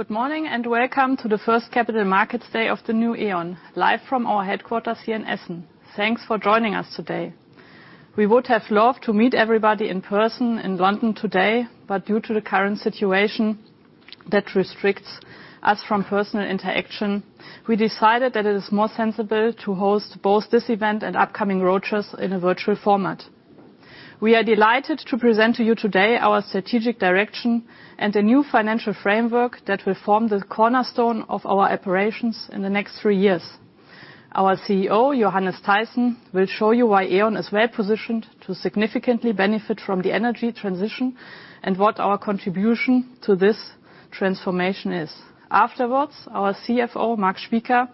Good morning, welcome to the first Capital Markets Day of the new E.ON, live from our headquarters here in Essen. Thanks for joining us today. We would have loved to meet everybody in person in London today, but due to the current situation that restricts us from personal interaction, we decided that it is more sensible to host both this event and upcoming road shows in a virtual format. We are delighted to present to you today our strategic direction and a new financial framework that will form the cornerstone of our operations in the next three years. Our CEO, Johannes Teyssen, will show you why E.ON is well positioned to significantly benefit from the energy transition and what our contribution to this transformation is. Afterwards, our CFO, Marc Spieker,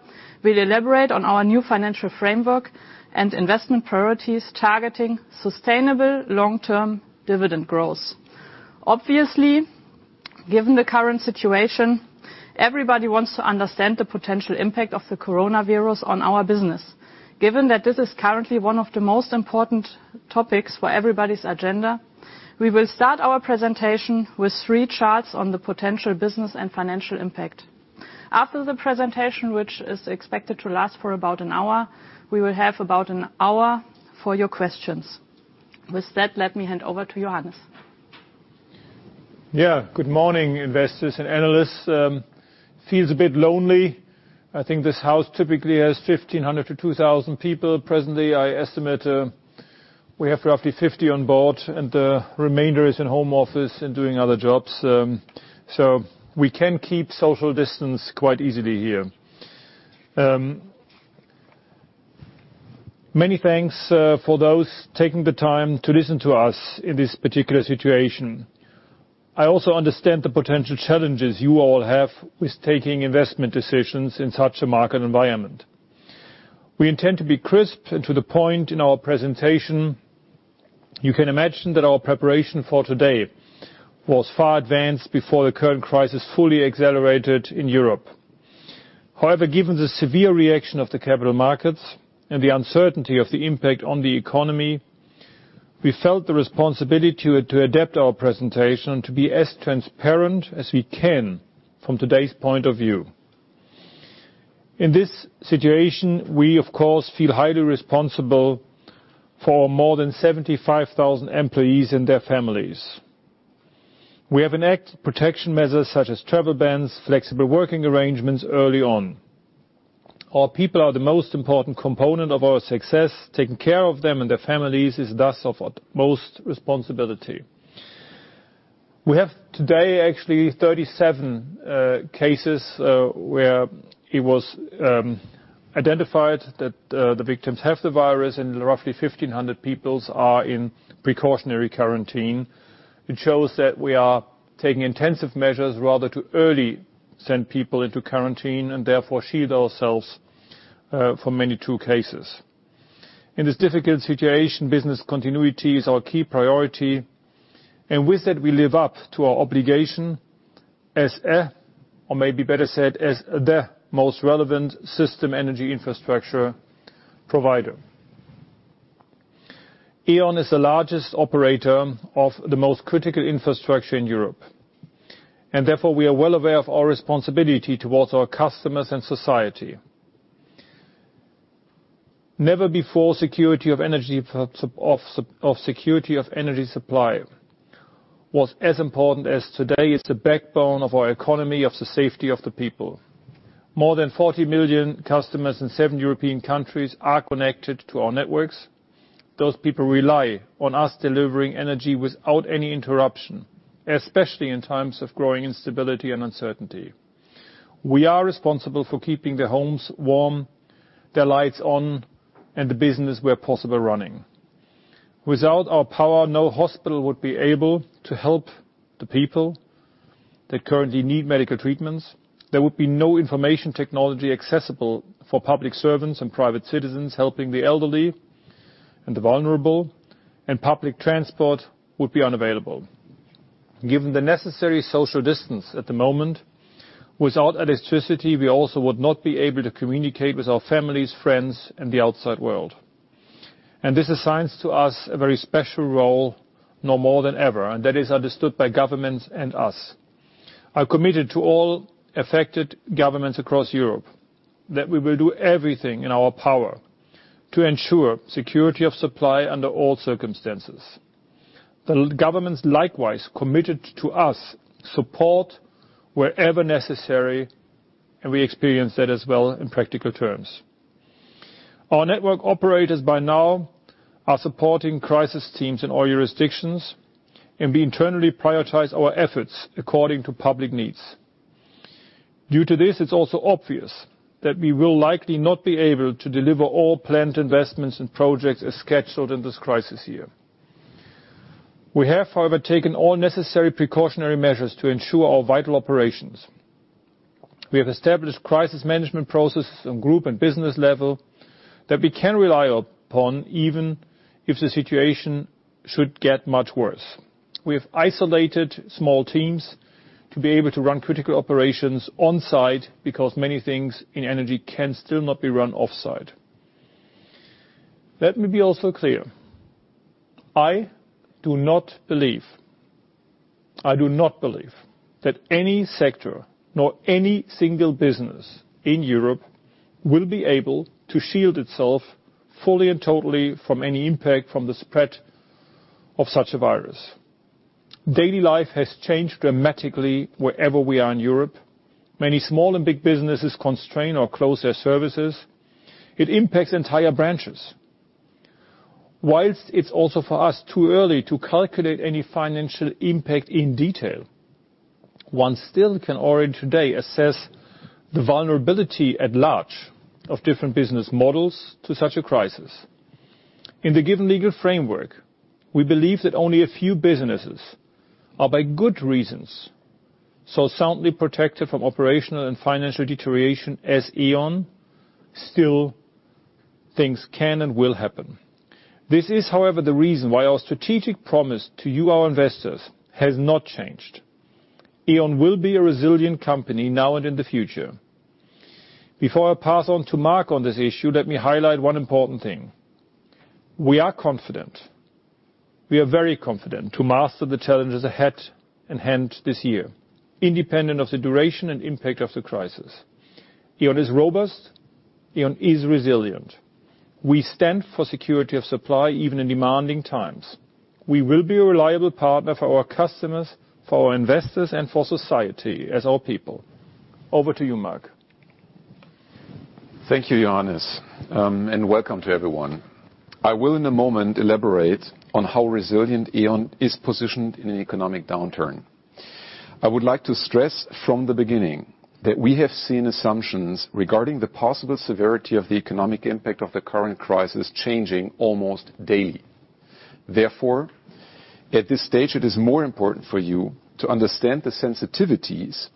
will elaborate on our new financial framework and investment priorities targeting sustainable long-term dividend growth. Obviously, given the current situation, everybody wants to understand the potential impact of the coronavirus on our business. Given that this is currently one of the most important topics for everybody's agenda, we will start our presentation with three charts on the potential business and financial impact. After the presentation, which is expected to last for about an hour, we will have about an hour for your questions. With that, let me hand over to Johannes. Good morning, investors and analysts. Feels a bit lonely. I think this house typically has 1,500-2,000 people. Presently, I estimate we have roughly 50 on board, and the remainder is in home office and doing other jobs. We can keep social distance quite easily here. Many thanks for those taking the time to listen to us in this particular situation. I also understand the potential challenges you all have with taking investment decisions in such a market environment. We intend to be crisp and to the point in our presentation. You can imagine that our preparation for today was far advanced before the current crisis fully accelerated in Europe. However, given the severe reaction of the capital markets and the uncertainty of the impact on the economy, we felt the responsibility to adapt our presentation to be as transparent as we can from today's point of view. In this situation, we of course, feel highly responsible for more than 75,000 employees and their families. We have enacted protection measures such as travel bans, flexible working arrangements early on. Our people are the most important component of our success. Taking care of them and their families is thus of utmost responsibility. We have today actually 37 cases where it was identified that the victims have the virus and roughly 1,500 people are in precautionary quarantine. It shows that we are taking intensive measures rather too early send people into quarantine and therefore shield ourselves from many too cases. In this difficult situation, business continuity is our key priority, and with it, we live up to our obligation as a, or maybe better said, as the most relevant system energy infrastructure provider. E.ON is the largest operator of the most critical infrastructure in Europe, and therefore, we are well aware of our responsibility towards our customers and society. Never before security of energy supply was as important as today. It's the backbone of our economy, of the safety of the people. More than 40 million customers in seven European countries are connected to our networks. Those people rely on us delivering energy without any interruption, especially in times of growing instability and uncertainty. We are responsible for keeping their homes warm, their lights on, and the business, where possible, running. Without our power, no hospital would be able to help the people that currently need medical treatments. There would be no information technology accessible for public servants and private citizens helping the elderly and the vulnerable, and public transport would be unavailable. Given the necessary social distance at the moment, without electricity, we also would not be able to communicate with our families, friends, and the outside world. This assigns to us a very special role now more than ever, and that is understood by governments and us. I committed to all affected governments across Europe that we will do everything in our power to ensure security of supply under all circumstances. The governments likewise committed to us support wherever necessary, and we experience that as well in practical terms. Our network operators by now are supporting crisis teams in all jurisdictions, and we internally prioritize our efforts according to public needs. Due to this, it's also obvious that we will likely not be able to deliver all planned investments and projects as scheduled in this crisis year. We have, however, taken all necessary precautionary measures to ensure our vital operations. We have established crisis management processes on group and business level that we can rely upon, even if the situation should get much worse. We have isolated small teams to be able to run critical operations on-site, because many things in energy can still not be run off-site. Let me be also clear. I do not believe that any sector nor any single business in Europe will be able to shield itself fully and totally from any impact from the spread of such a virus. Daily life has changed dramatically wherever we are in Europe. Many small and big businesses constrain or close their services. It impacts entire branches. Whilst it's also for us too early to calculate any financial impact in detail, one still can already today assess the vulnerability at large of different business models to such a crisis. In the given legal framework, we believe that only a few businesses are by good reasons so soundly protected from operational and financial deterioration as E.ON. Things can and will happen. This is, however, the reason why our strategic promise to you, our investors, has not changed. E.ON will be a resilient company now and in the future. Before I pass on to Marc on this issue, let me highlight one important thing. We are confident. We are very confident to master the challenges ahead and hand this year, independent of the duration and impact of the crisis. E.ON is robust, E.ON is resilient. We stand for security of supply, even in demanding times. We will be a reliable partner for our customers, for our investors, and for society as our people. Over to you, Marc. Thank you, Johannes, and welcome to everyone. I will in a moment elaborate on how resilient E.ON is positioned in an economic downturn. I would like to stress from the beginning that we have seen assumptions regarding the possible severity of the economic impact of the current crisis changing almost daily. At this stage, it is more important for you to understand the sensitivities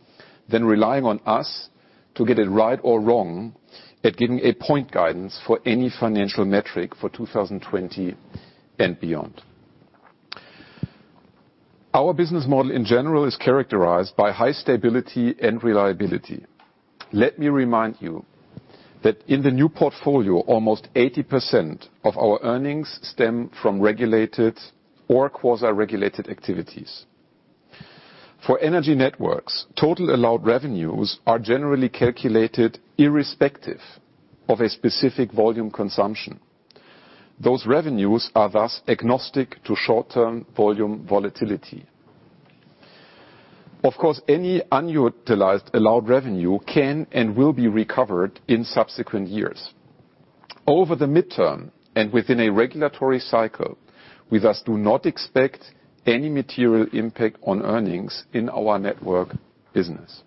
than relying on us to get it right or wrong at giving a point guidance for any financial metric for 2020 and beyond. Our business model, in general, is characterized by high stability and reliability. Let me remind you that in the new portfolio, almost 80% of our earnings stem from regulated or quasi-regulated activities. For energy networks, total allowed revenues are generally calculated irrespective of a specific volume consumption. Those revenues are thus agnostic to short-term volume volatility. Of course, any unutilized allowed revenue can and will be recovered in subsequent years. Over the midterm and within a regulatory cycle, we thus do not expect any material impact on earnings in our network business.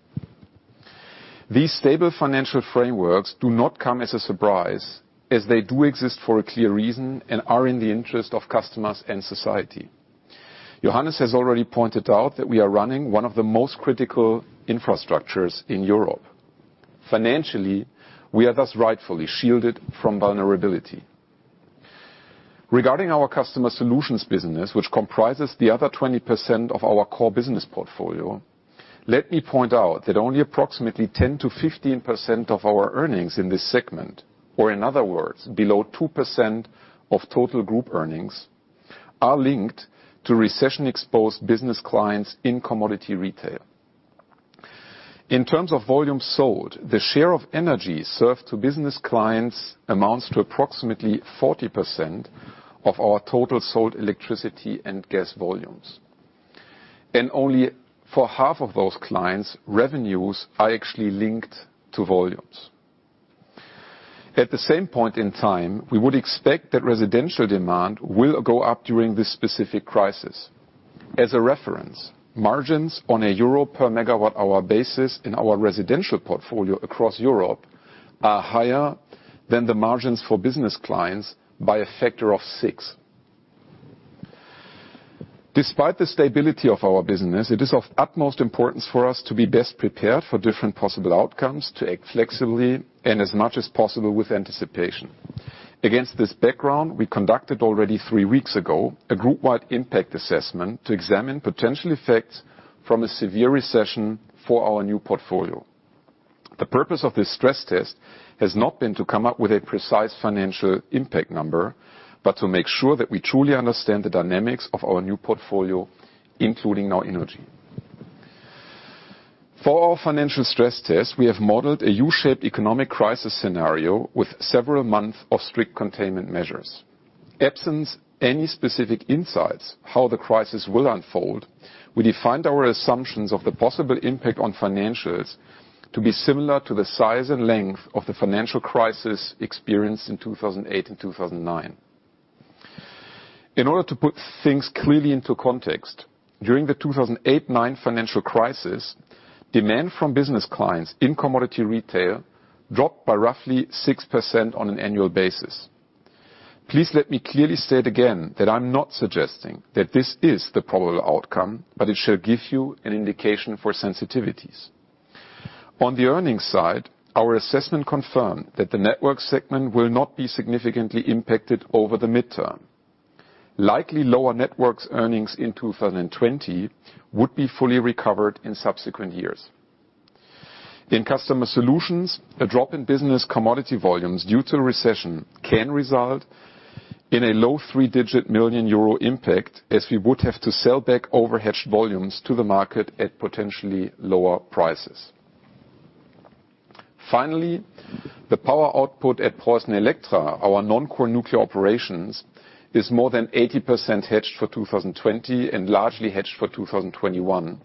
These stable financial frameworks do not come as a surprise, as they do exist for a clear reason and are in the interest of customers and society. Johannes has already pointed out that we are running one of the most critical infrastructures in Europe. Financially, we are thus rightfully shielded from vulnerability. Regarding our customer solutions business, which comprises the other 20% of our core business portfolio, let me point out that only approximately 10%-15% of our earnings in this segment, or in other words, below 2% of total group earnings, are linked to recession-exposed business clients in commodity retail. In terms of volume sold, the share of energy served to business clients amounts to approximately 40% of our total sold electricity and gas volumes. Only for half of those clients, revenues are actually linked to volumes. At the same point in time, we would expect that residential demand will go up during this specific crisis. As a reference, margins on a EUR per megawatt hour basis in our residential portfolio across Europe are higher than the margins for business clients by a factor of six. Despite the stability of our business, it is of utmost importance for us to be best prepared for different possible outcomes, to act flexibly and as much as possible with anticipation. Against this background, we conducted already three weeks ago, a group-wide impact assessment to examine potential effects from a severe recession for our new portfolio. The purpose of this stress test has not been to come up with a precise financial impact number, but to make sure that we truly understand the dynamics of our new portfolio, including Innogy. For our financial stress test, we have modeled a U-shaped economic crisis scenario with several months of strict containment measures. Absence any specific insights how the crisis will unfold, we defined our assumptions of the possible impact on financials to be similar to the size and length of the financial crisis experienced in 2008 and 2009. In order to put things clearly into context, during the 2008/2009 financial crisis, demand from business clients in commodity retail dropped by roughly 6% on an annual basis. Please let me clearly state again that I'm not suggesting that this is the probable outcome, but it should give you an indication for sensitivities. On the earnings side, our assessment confirmed that the network segment will not be significantly impacted over the midterm. Likely lower networks earnings in 2020 would be fully recovered in subsequent years. In customer solutions, a drop in business commodity volumes due to recession can result in a low three-digit million EUR impact, as we would have to sell back overhedged volumes to the market at potentially lower prices. Finally, the power output at PreussenElektra, our non-core nuclear operations, is more than 80% hedged for 2020 and largely hedged for 2021.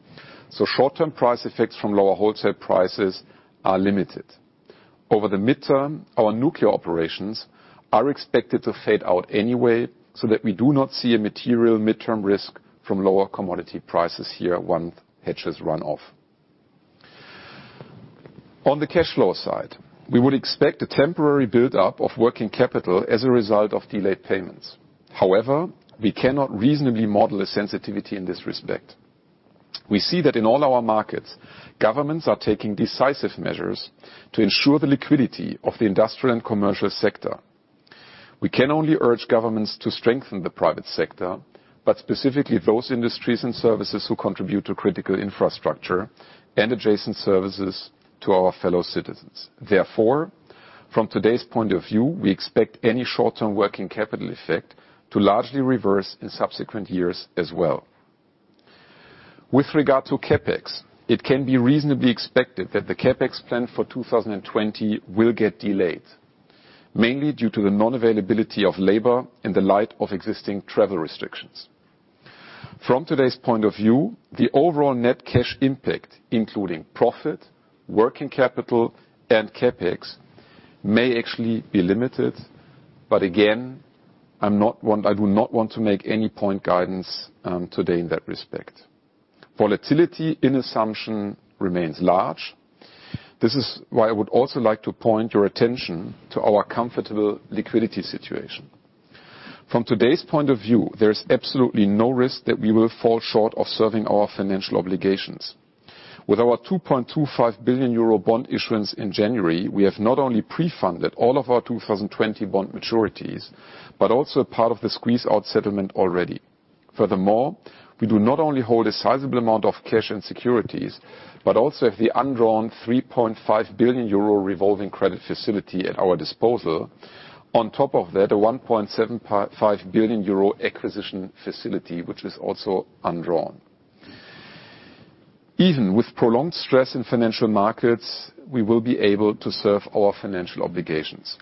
Short-term price effects from lower wholesale prices are limited. Over the midterm, our nuclear operations are expected to fade out anyway, so that we do not see a material midterm risk from lower commodity prices here once hedges run off. On the cash flow side, we would expect a temporary buildup of working capital as a result of delayed payments. However, we cannot reasonably model a sensitivity in this respect. We see that in all our markets, governments are taking decisive measures to ensure the liquidity of the industrial and commercial sector. We can only urge governments to strengthen the private sector, but specifically those industries and services who contribute to critical infrastructure and adjacent services to our fellow citizens. Therefore, from today's point of view, we expect any short-term working capital effect to largely reverse in subsequent years as well. With regard to CapEx, it can be reasonably expected that the CapEx plan for 2020 will get delayed, mainly due to the non-availability of labor in the light of existing travel restrictions. From today's point of view, the overall net cash impact, including profit, working capital, and CapEx, may actually be limited. Again, I do not want to make any point guidance today in that respect. Volatility in assumption remains large. This is why I would also like to point your attention to our comfortable liquidity situation. From today's point of view, there is absolutely no risk that we will fall short of serving our financial obligations. With our 2.25 billion euro bond issuance in January, we have not only pre-funded all of our 2020 bond maturities, but also part of the squeeze-out settlement already. Furthermore, we do not only hold a sizable amount of cash and securities, but also have the undrawn 3.5 billion euro revolving credit facility at our disposal. On top of that, a 1.75 billion euro acquisition facility, which is also undrawn. Even with prolonged stress in financial markets, we will be able to serve our financial obligations.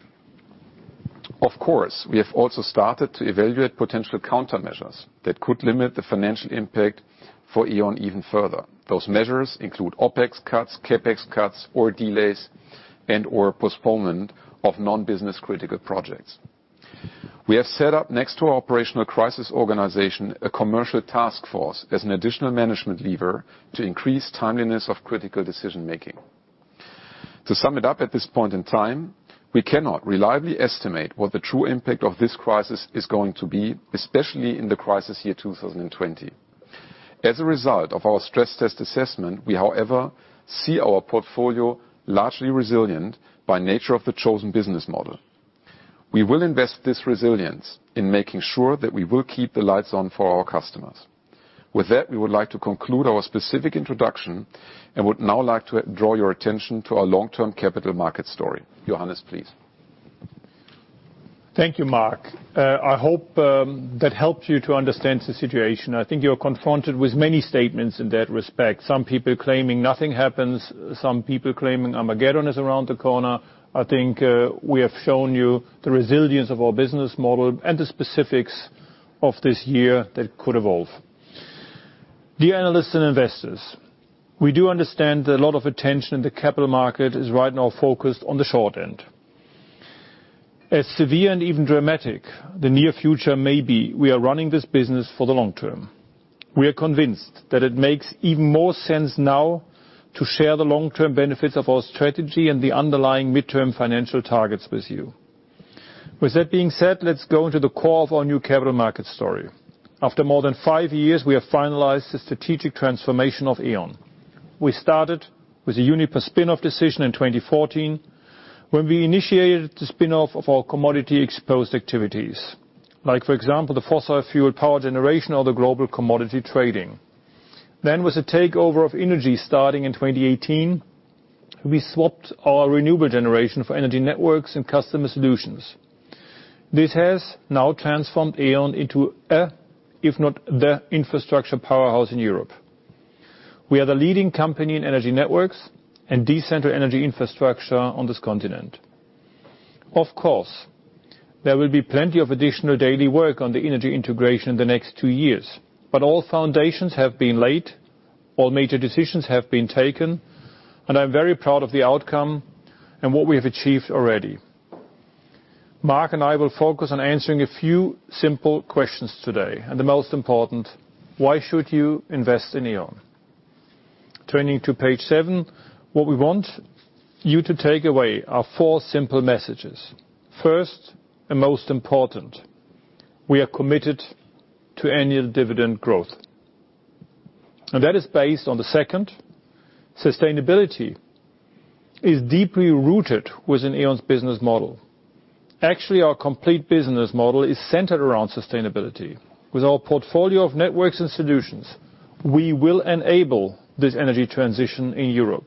Of course, we have also started to evaluate potential countermeasures that could limit the financial impact for E.ON even further. Those measures include OpEx cuts, CapEx cuts, or delays, and/or postponement of non-business critical projects. We have set up next to our operational crisis organization, a commercial task force as an additional management lever to increase timeliness of critical decision-making. To sum it up at this point in time, we cannot reliably estimate what the true impact of this crisis is going to be, especially in the crisis year 2020. As a result of our stress test assessment, we however, see our portfolio largely resilient by nature of the chosen business model. We will invest this resilience in making sure that we will keep the lights on for our customers. With that, we would like to conclude our specific introduction and would now like to draw your attention to our long-term capital market story. Johannes, please. Thank you, Marc. I hope that helped you to understand the situation. I think you're confronted with many statements in that respect. Some people claiming nothing happens, some people claiming Armageddon is around the corner. I think we have shown you the resilience of our business model and the specifics of this year that could evolve. Dear analysts and investors, we do understand that a lot of attention in the capital market is right now focused on the short end. As severe and even dramatic the near future may be, we are running this business for the long term. We are convinced that it makes even more sense now to share the long-term benefits of our strategy and the underlying midterm financial targets with you. With that being said, let's go into the core of our new capital market story. After more than five years, we have finalized the strategic transformation of E.ON. We started with a Uniper spin-off decision in 2014, when we initiated the spin-off of our commodity exposed activities. For example, the fossil fuel power generation or the global commodity trading. With the takeover of Innogy starting in 2018, we swapped our renewable generation for energy networks and customer solutions. This has now transformed E.ON into a, if not the, infrastructure powerhouse in Europe. We are the leading company in energy networks and decentral energy infrastructure on this continent. Of course, there will be plenty of additional daily work on the energy integration in the next two years, but all foundations have been laid, all major decisions have been taken, and I'm very proud of the outcome and what we have achieved already. Marc and I will focus on answering a few simple questions today, and the most important, why should you invest in E.ON? Turning to page seven. What we want you to take away are four simple messages. First, and most important, we are committed to annual dividend growth. That is based on the second, sustainability is deeply rooted within E.ON's business model. Actually, our complete business model is centered around sustainability. With our portfolio of networks and solutions, we will enable this energy transition in Europe.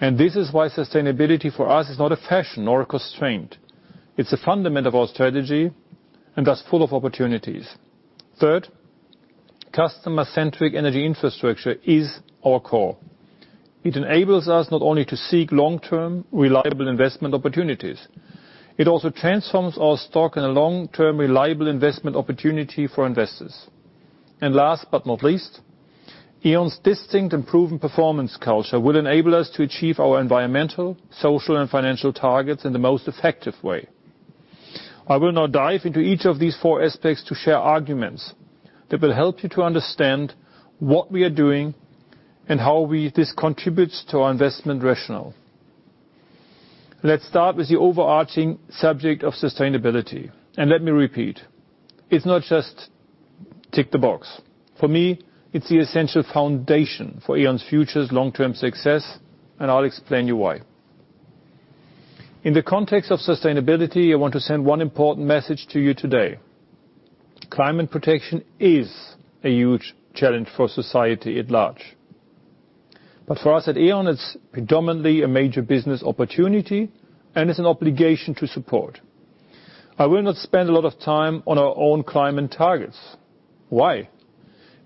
This is why sustainability for us is not a fashion nor a constraint. It's a fundament of our strategy, and thus full of opportunities. Third, customer-centric energy infrastructure is our core. It enables us not only to seek long-term, reliable investment opportunities, it also transforms our stock in a long-term, reliable investment opportunity for investors. Last but not least, E.ON's distinct and proven performance culture will enable us to achieve our environmental, social, and financial targets in the most effective way. I will now dive into each of these four aspects to share arguments that will help you to understand what we are doing and how this contributes to our investment rationale. Let's start with the overarching subject of sustainability, and let me repeat, it's not just tick the box. For me, it's the essential foundation for E.ON's future's long-term success, and I'll explain you why. In the context of sustainability, I want to send one important message to you today. Climate protection is a huge challenge for society at large. For us at E.ON, it's predominantly a major business opportunity and it's an obligation to support. I will not spend a lot of time on our own climate targets. Why?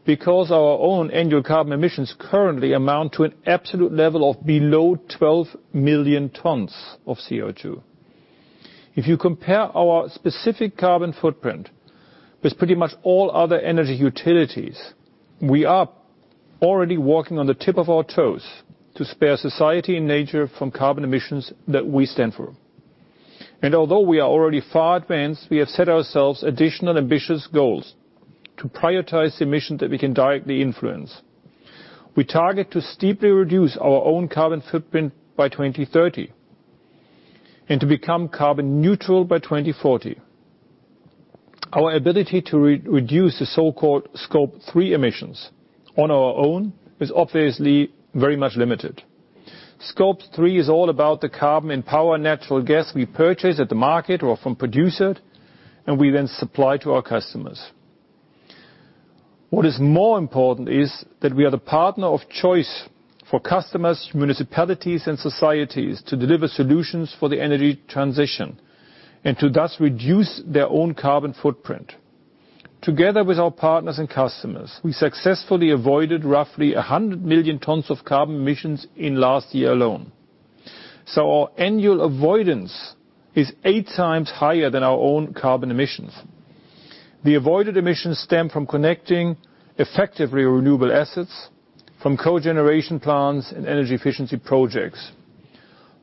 Our own annual carbon emissions currently amount to an absolute level of below 12 million tons of CO2. If you compare our specific carbon footprint with pretty much all other energy utilities, we are already walking on the tip of our toes to spare society and nature from carbon emissions that we stand for. Although we are already far advanced, we have set ourselves additional ambitious goals to prioritize emissions that we can directly influence. We target to steeply reduce our own carbon footprint by 2030, and to become carbon neutral by 2040. Our ability to reduce the so-called Scope 3 emissions on our own is obviously very much limited. Scope 3 is all about the carbon and power natural gas we purchase at the market or from producers, and we then supply to our customers. What is more important is that we are the partner of choice for customers, municipalities, and societies to deliver solutions for the energy transition and to thus reduce their own carbon footprint. Together with our partners and customers, we successfully avoided roughly 100 million tons of carbon emissions in last year alone. Our annual avoidance is eight times higher than our own carbon emissions. The avoided emissions stem from connecting effective renewable assets from cogeneration plants and energy efficiency projects.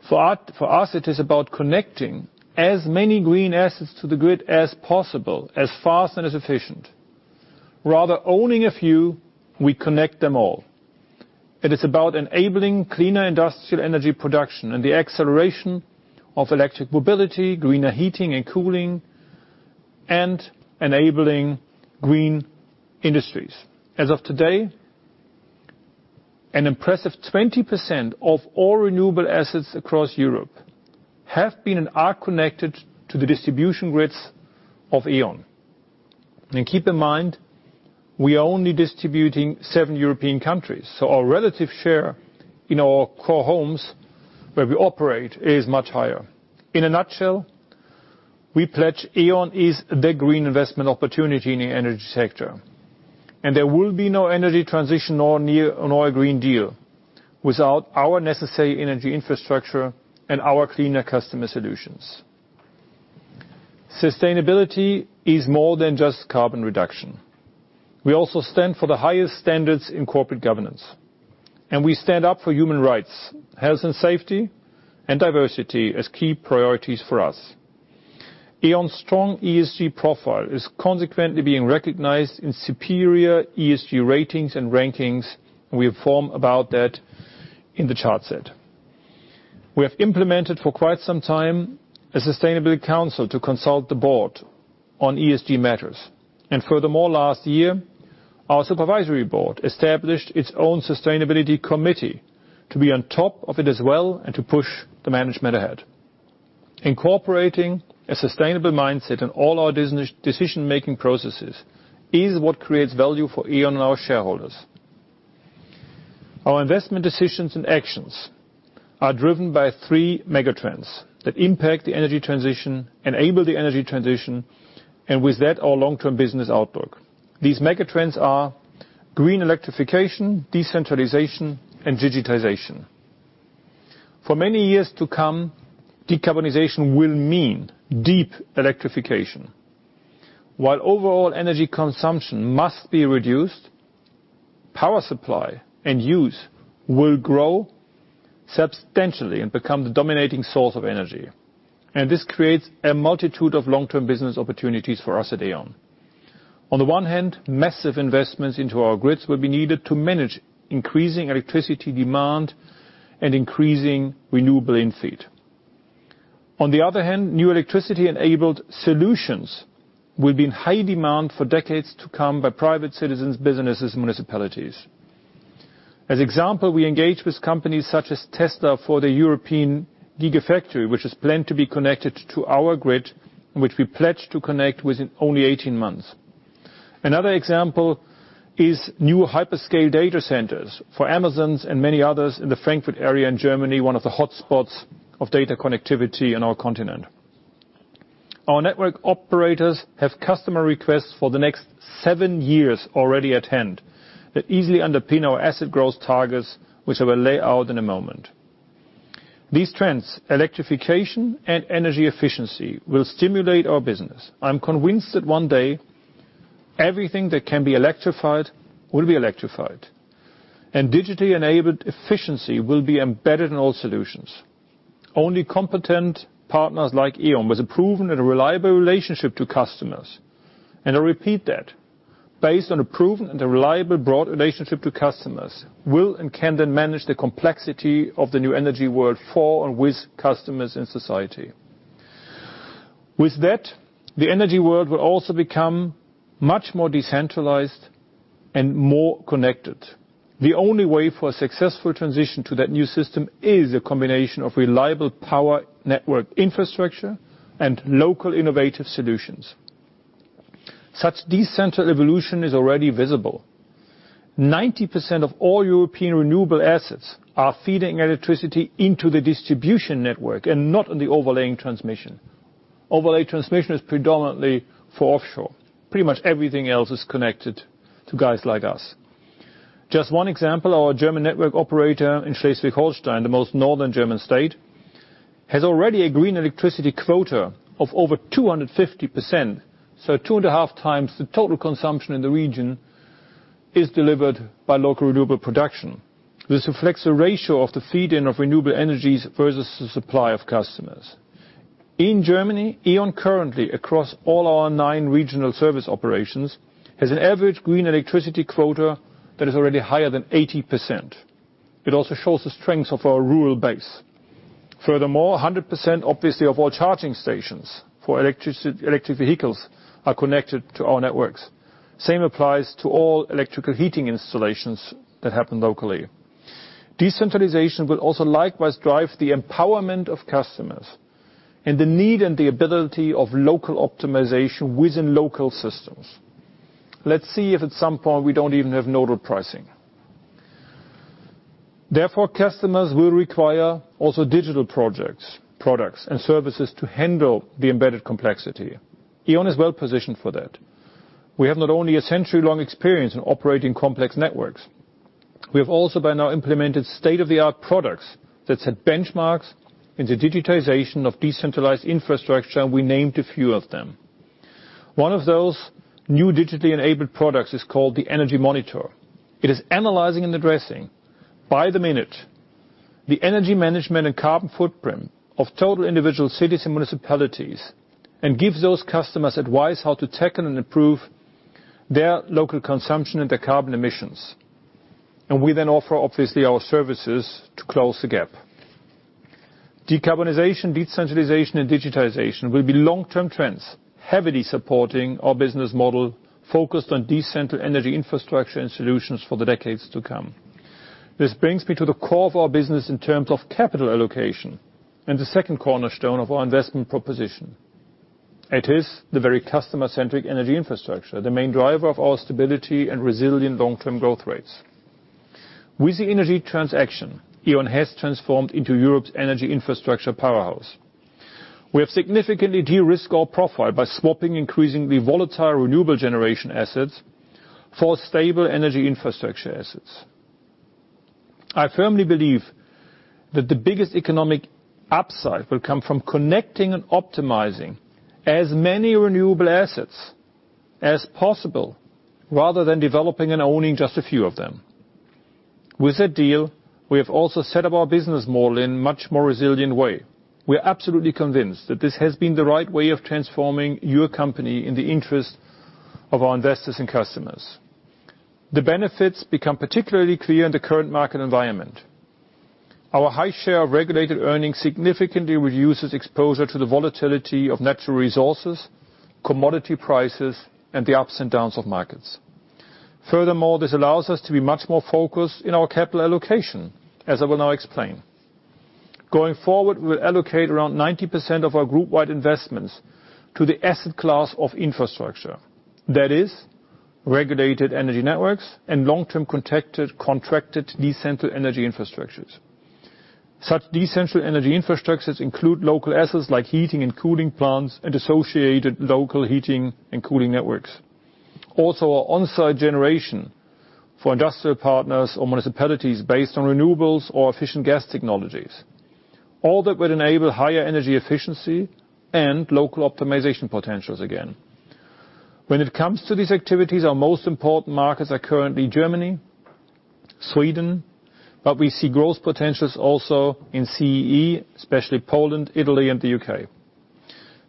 For us, it is about connecting as many green assets to the grid as possible, as fast and as efficient. Rather owning a few, we connect them all. It is about enabling cleaner industrial energy production and the acceleration of electric mobility, greener heating and cooling, and enabling green industries. As of today, an impressive 20% of all renewable assets across Europe have been and are connected to the distribution grids of E.ON. Keep in mind, we are only distributing seven European countries, so our relative share in our core homes where we operate is much higher. In a nutshell, we pledge E.ON is the green investment opportunity in the energy sector. There will be no energy transition nor a Green Deal without our necessary energy infrastructure and our cleaner customer solutions. Sustainability is more than just carbon reduction. We also stand for the highest standards in corporate governance. We stand up for human rights, health and safety, and diversity as key priorities for us. E.ON's strong ESG profile is consequently being recognized in superior ESG ratings and rankings. We inform about that in the chart set. We have implemented for quite some time a sustainability council to consult the board on ESG matters. Furthermore, last year, our supervisory board established its own sustainability committee to be on top of it as well and to push the management ahead. Incorporating a sustainable mindset in all our decision-making processes is what creates value for E.ON and our shareholders. Our investment decisions and actions are driven by three mega trends that impact the energy transition, enable the energy transition, and with that, our long-term business outlook. These mega trends are green electrification, decentralization, and digitization. For many years to come, decarbonization will mean deep electrification. While overall energy consumption must be reduced, power supply and use will grow substantially and become the dominating source of energy. This creates a multitude of long-term business opportunities for us at E.ON. On the one hand, massive investments into our grids will be needed to manage increasing electricity demand and increasing renewable infeed. On the other hand, new electricity-enabled solutions will be in high demand for decades to come by private citizens, businesses, municipalities. As example, we engage with companies such as Tesla for the European Gigafactory, which is planned to be connected to our grid, and which we pledged to connect within only 18 months. Another example is new hyperscale data centers for Amazon and many others in the Frankfurt area in Germany, one of the hotspots of data connectivity on our continent. Our network operators have customer requests for the next seven years already at hand that easily underpin our asset growth targets, which I will lay out in a moment. These trends, electrification and energy efficiency, will stimulate our business. I'm convinced that one day, everything that can be electrified will be electrified, and digitally enabled efficiency will be embedded in all solutions. Only competent partners like E.ON, with a proven and a reliable relationship to customers, and I repeat that, based on a proven and a reliable, broad relationship to customers, will and can then manage the complexity of the new energy world for and with customers in society. With that, the energy world will also become much more decentralized and more connected. The only way for a successful transition to that new system is a combination of reliable power network infrastructure and local innovative solutions. Such decentral evolution is already visible. 90% of all European renewable assets are feeding electricity into the distribution network and not in the overlaying transmission. Overlay transmission is predominantly for offshore. Pretty much everything else is connected to guys like us. Just one example, our German network operator in Schleswig-Holstein, the most northern German state, has already a green electricity quota of over 250%. Two and a half times the total consumption in the region is delivered by local renewable production. This reflects the ratio of the feed-in of renewable energies versus the supply of customers. In Germany, E.ON currently, across all our nine regional service operations, has an average green electricity quota that is already higher than 80%. It also shows the strengths of our rural base. Furthermore, 100%, obviously, of all charging stations for electric vehicles are connected to our networks. Same applies to all electrical heating installations that happen locally. Decentralization will also likewise drive the empowerment of customers and the need and the ability of local optimization within local systems. Let's see if at some point we don't even have nodal pricing. Therefore, customers will require also digital products and services to handle the embedded complexity. E.ON is well-positioned for that. We have not only a century-long experience in operating complex networks, we have also by now implemented state-of-the-art products that set benchmarks in the digitization of decentralized infrastructure. We named a few of them. One of those new digitally enabled products is called the Energy Monitor. It is analyzing and addressing, by the minute, the energy management and carbon footprint of total individual cities and municipalities and gives those customers advice how to tackle and improve their local consumption and their carbon emissions. We then offer, obviously, our services to close the gap. Decarbonization, decentralization, and digitization will be long-term trends, heavily supporting our business model focused on decentral energy infrastructure and solutions for the decades to come. This brings me to the core of our business in terms of capital allocation and the second cornerstone of our investment proposition. It is the very customer-centric energy infrastructure, the main driver of our stability and resilient long-term growth rates. With the Innogy transaction, E.ON has transformed into Europe's energy infrastructure powerhouse. We have significantly de-risked our profile by swapping increasingly volatile renewable generation assets for stable energy infrastructure assets. I firmly believe that the biggest economic upside will come from connecting and optimizing as many renewable assets as possible rather than developing and owning just a few of them. With that deal, we have also set up our business model in a much more resilient way. We are absolutely convinced that this has been the right way of transforming your company in the interest of our investors and customers. The benefits become particularly clear in the current market environment. Our high share of regulated earnings significantly reduces exposure to the volatility of natural resources, commodity prices, and the ups and downs of markets. This allows us to be much more focused in our capital allocation, as I will now explain. Going forward, we'll allocate around 90% of our group-wide investments to the asset class of infrastructure. That is regulated energy networks and long-term contracted decentral energy infrastructures. Such decentral energy infrastructures include local assets like heating and cooling plants and associated local heating and cooling networks. Our on-site generation for industrial partners or municipalities based on renewables or efficient gas technologies. All that would enable higher energy efficiency and local optimization potentials again. When it comes to these activities, our most important markets are currently Germany, Sweden. We see growth potentials also in CEE, especially Poland, Italy, and the U.K.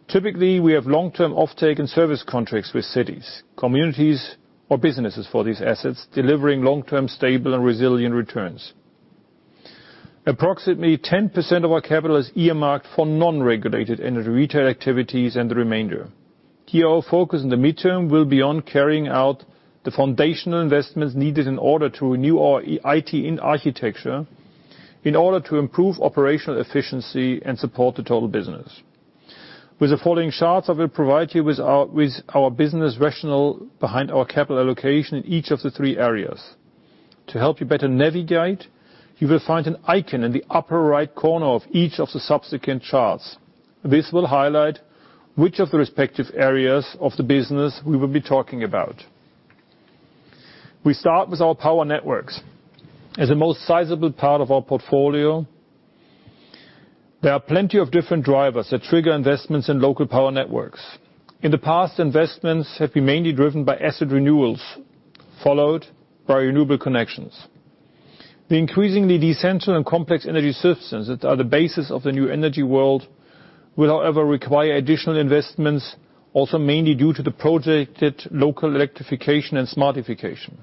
Typically, we have long-term offtake and service contracts with cities, communities, or businesses for these assets, delivering long-term stable and resilient returns. Approximately 10% of our capital is earmarked for non-regulated energy retail activities and the remainder. Here, our focus in the midterm will be on carrying out the foundational investments needed in order to renew our IT architecture in order to improve operational efficiency and support the total business. With the following charts, I will provide you with our business rationale behind our capital allocation in each of the three areas. To help you better navigate, you will find an icon in the upper right corner of each of the subsequent charts. This will highlight which of the respective areas of the business we will be talking about. We start with our power networks. As the most sizable part of our portfolio, there are plenty of different drivers that trigger investments in local power networks. In the past, investments have been mainly driven by asset renewals, followed by renewable connections. The increasingly decentralized and complex energy systems that are the basis of the new energy world will, however, require additional investments, also mainly due to the projected local electrification and smartification.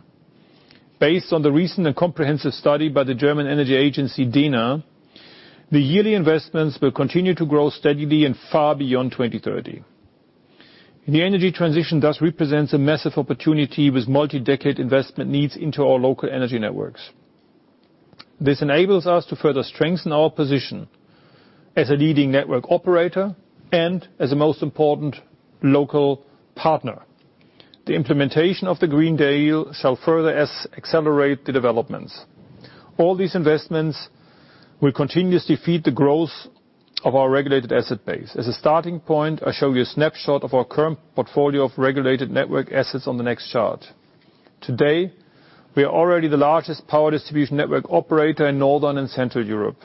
Based on the recent and comprehensive study by the German Energy Agency, dena, the yearly investments will continue to grow steadily and far beyond 2030. The energy transition thus represents a massive opportunity with multi-decade investment needs into our local energy networks. This enables us to further strengthen our position as a leading network operator and as the most important local partner. The implementation of the Green Deal shall further accelerate the developments. All these investments will continuously feed the growth of our Regulated Asset Base. As a starting point, I show you a snapshot of our current portfolio of regulated network assets on the next chart. Today, we are already the largest power distribution network operator in Northern and Central Europe,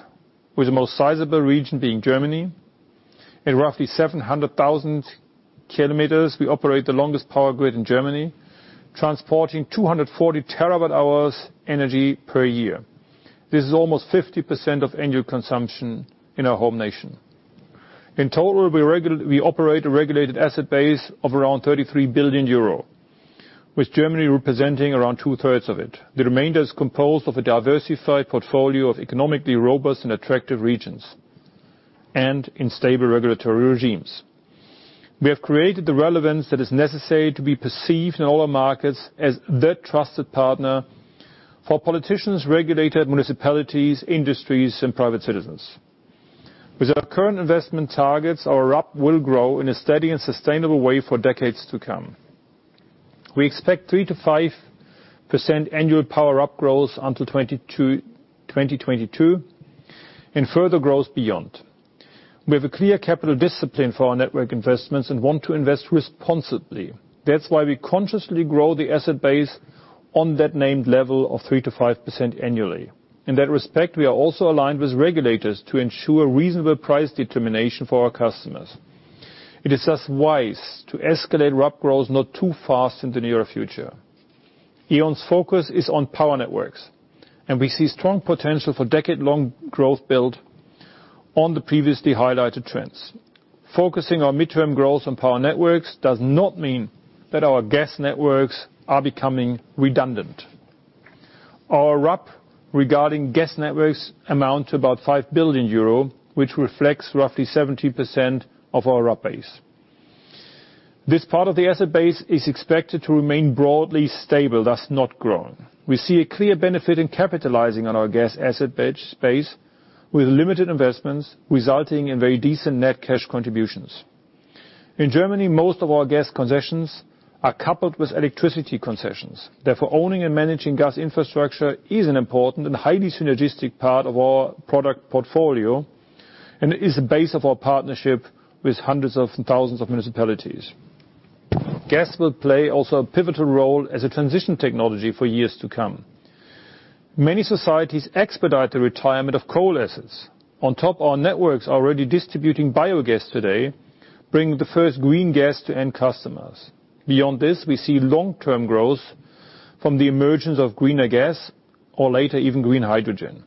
with the most sizable region being Germany. At roughly 700,000 km, we operate the longest power grid in Germany, transporting 240 TWh energy per year. This is almost 50% of annual consumption in our home nation. In total, we operate a Regulated Asset Base of around 33 billion euro, with Germany representing around 2/3s of it. The remainder is composed of a diversified portfolio of economically robust and attractive regions and in stable regulatory regimes. We have created the relevance that is necessary to be perceived in all our markets as the trusted partner for politicians, regulators, municipalities, industries, and private citizens. With our current investment targets, our RAB will grow in a steady and sustainable way for decades to come. We expect 3%-5% annual power RAB growth until 2022, and further growth beyond. We have a clear capital discipline for our network investments and want to invest responsibly. That's why we consciously grow the asset base on that named level of 3%-5% annually. In that respect, we are also aligned with regulators to ensure reasonable price determination for our customers. It is thus wise to escalate RAB growth not too fast in the near future. E.ON's focus is on power networks, and we see strong potential for decade-long growth built on the previously highlighted trends. Focusing on midterm growth on power networks does not mean that our gas networks are becoming redundant. Our RAB regarding gas networks amount to about 5 billion euro, which reflects roughly 70% of our RAB base. This part of the asset base is expected to remain broadly stable, thus not growing. We see a clear benefit in capitalizing on our gas asset base with limited investments, resulting in very decent net cash contributions. In Germany, most of our gas concessions are coupled with electricity concessions. Therefore, owning and managing gas infrastructure is an important and highly synergistic part of our product portfolio and is the base of our partnership with hundreds of thousands of municipalities. Gas will play also a pivotal role as a transition technology for years to come. Many societies expedite the retirement of coal assets. On top, our networks are already distributing biogas today, bringing the first green gas to end customers. Beyond this, we see long-term growth from the emergence of greener gas or later even green hydrogen.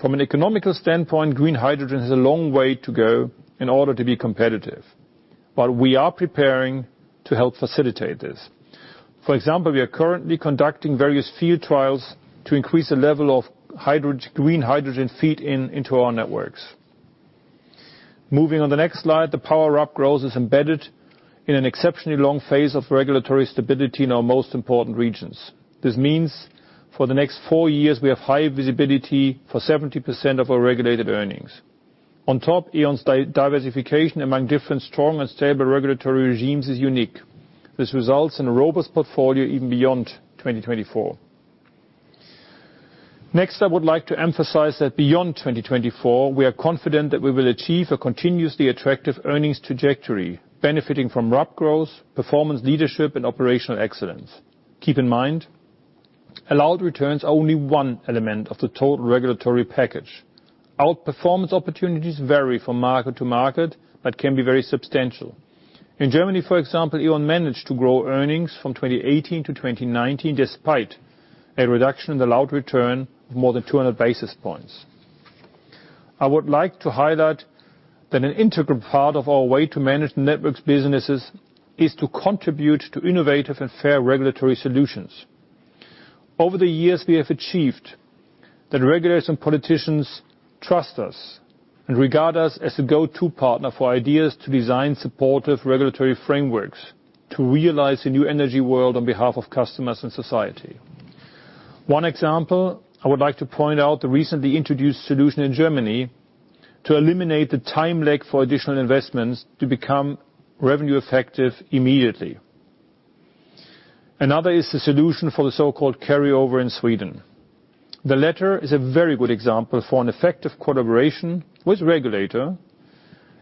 From an economical standpoint, green hydrogen has a long way to go in order to be competitive, but we are preparing to help facilitate this. For example, we are currently conducting various field trials to increase the level of green hydrogen feed-in into our networks. Moving on the next slide, the power RAB growth is embedded in an exceptionally long phase of regulatory stability in our most important regions. This means for the next four years, we have high visibility for 70% of our regulated earnings. On top, E.ON's diversification among different strong and stable regulatory regimes is unique. This results in a robust portfolio even beyond 2024. Next, I would like to emphasize that beyond 2024, we are confident that we will achieve a continuously attractive earnings trajectory, benefiting from RAB growth, performance leadership, and operational excellence. Keep in mind, allowed returns are only one element of the total regulatory package. Outperformance opportunities vary from market-to-market, but can be very substantial. In Germany, for example, E.ON managed to grow earnings from 2018- 2019, despite a reduction in the allowed return of more than 200 basis points. I would like to highlight that an integral part of our way to manage the networks businesses is to contribute to innovative and fair regulatory solutions. Over the years, we have achieved that regulators and politicians trust us and regard us as a go-to partner for ideas to design supportive regulatory frameworks to realize the new energy world on behalf of customers and society. One example, I would like to point out the recently introduced solution in Germany to eliminate the time lag for additional investments to become revenue effective immediately. Another is the solution for the so-called carryover in Sweden. The latter is a very good example for an effective collaboration with regulator,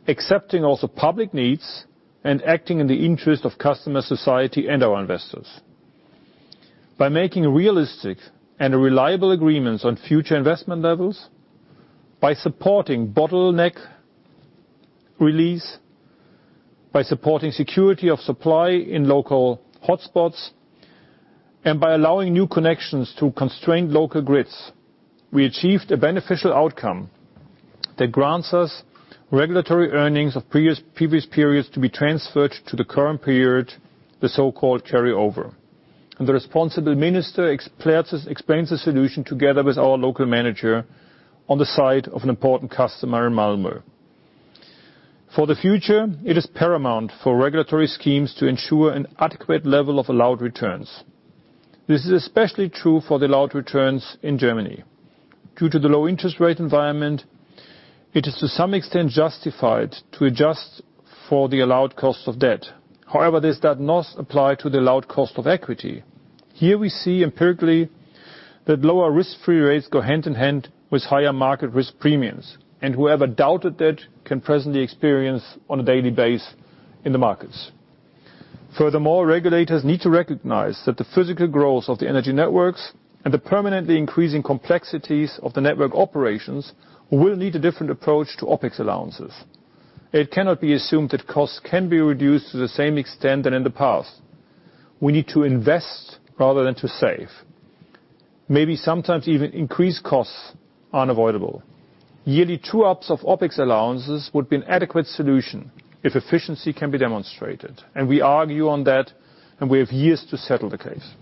accepting also public needs and acting in the interest of customer, society, and our investors. By making realistic and reliable agreements on future investment levels, by supporting bottleneck release, by supporting security of supply in local hotspots, and by allowing new connections to constrained local grids, we achieved a beneficial outcome that grants us regulatory earnings of previous periods to be transferred to the current period, the so-called carryover. The responsible minister explains the solution together with our local manager on the site of an important customer in Malmö. For the future, it is paramount for regulatory schemes to ensure an adequate level of allowed returns. This is especially true for the allowed returns in Germany. Due to the low interest rate environment, it is to some extent justified to adjust for the allowed cost of debt. However, this does not apply to the allowed cost of equity. Here we see empirically that lower risk-free rates go hand in hand with higher market risk premiums, and whoever doubted that can presently experience on a daily basis in the markets. Furthermore, regulators need to recognize that the physical growth of the energy networks and the permanently increasing complexities of the network operations will need a different approach to OpEx allowances. It cannot be assumed that costs can be reduced to the same extent than in the past. We need to invest rather than to save. Maybe sometimes even increased costs are unavoidable. Yearly true-ups of OpEx allowances would be an adequate solution if efficiency can be demonstrated, and we argue on that, and we have years to settle the case.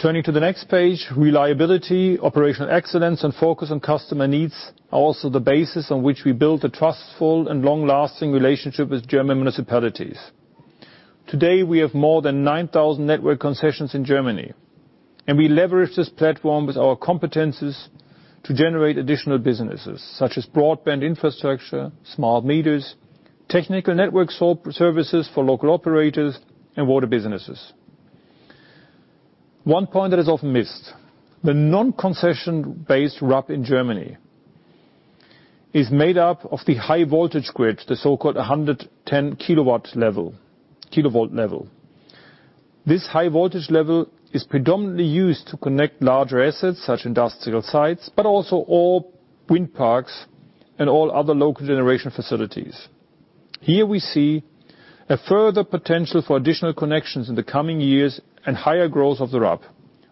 Turning to the next page, reliability, operational excellence, and focus on customer needs are also the basis on which we build a trustful and long-lasting relationship with German municipalities. Today, we have more than 9,000 network concessions in Germany, and we leverage this platform with our competencies to generate additional businesses, such as broadband infrastructure, smart meters, technical network services for local operators, and water businesses. One point that is often missed, the non-concession based RAB in Germany is made up of the high voltage grid, the so-called 110 kV level. This high voltage level is predominantly used to connect larger assets such industrial sites, but also all wind parks and all other local generation facilities. Here we see a further potential for additional connections in the coming years and higher growth of the RAB.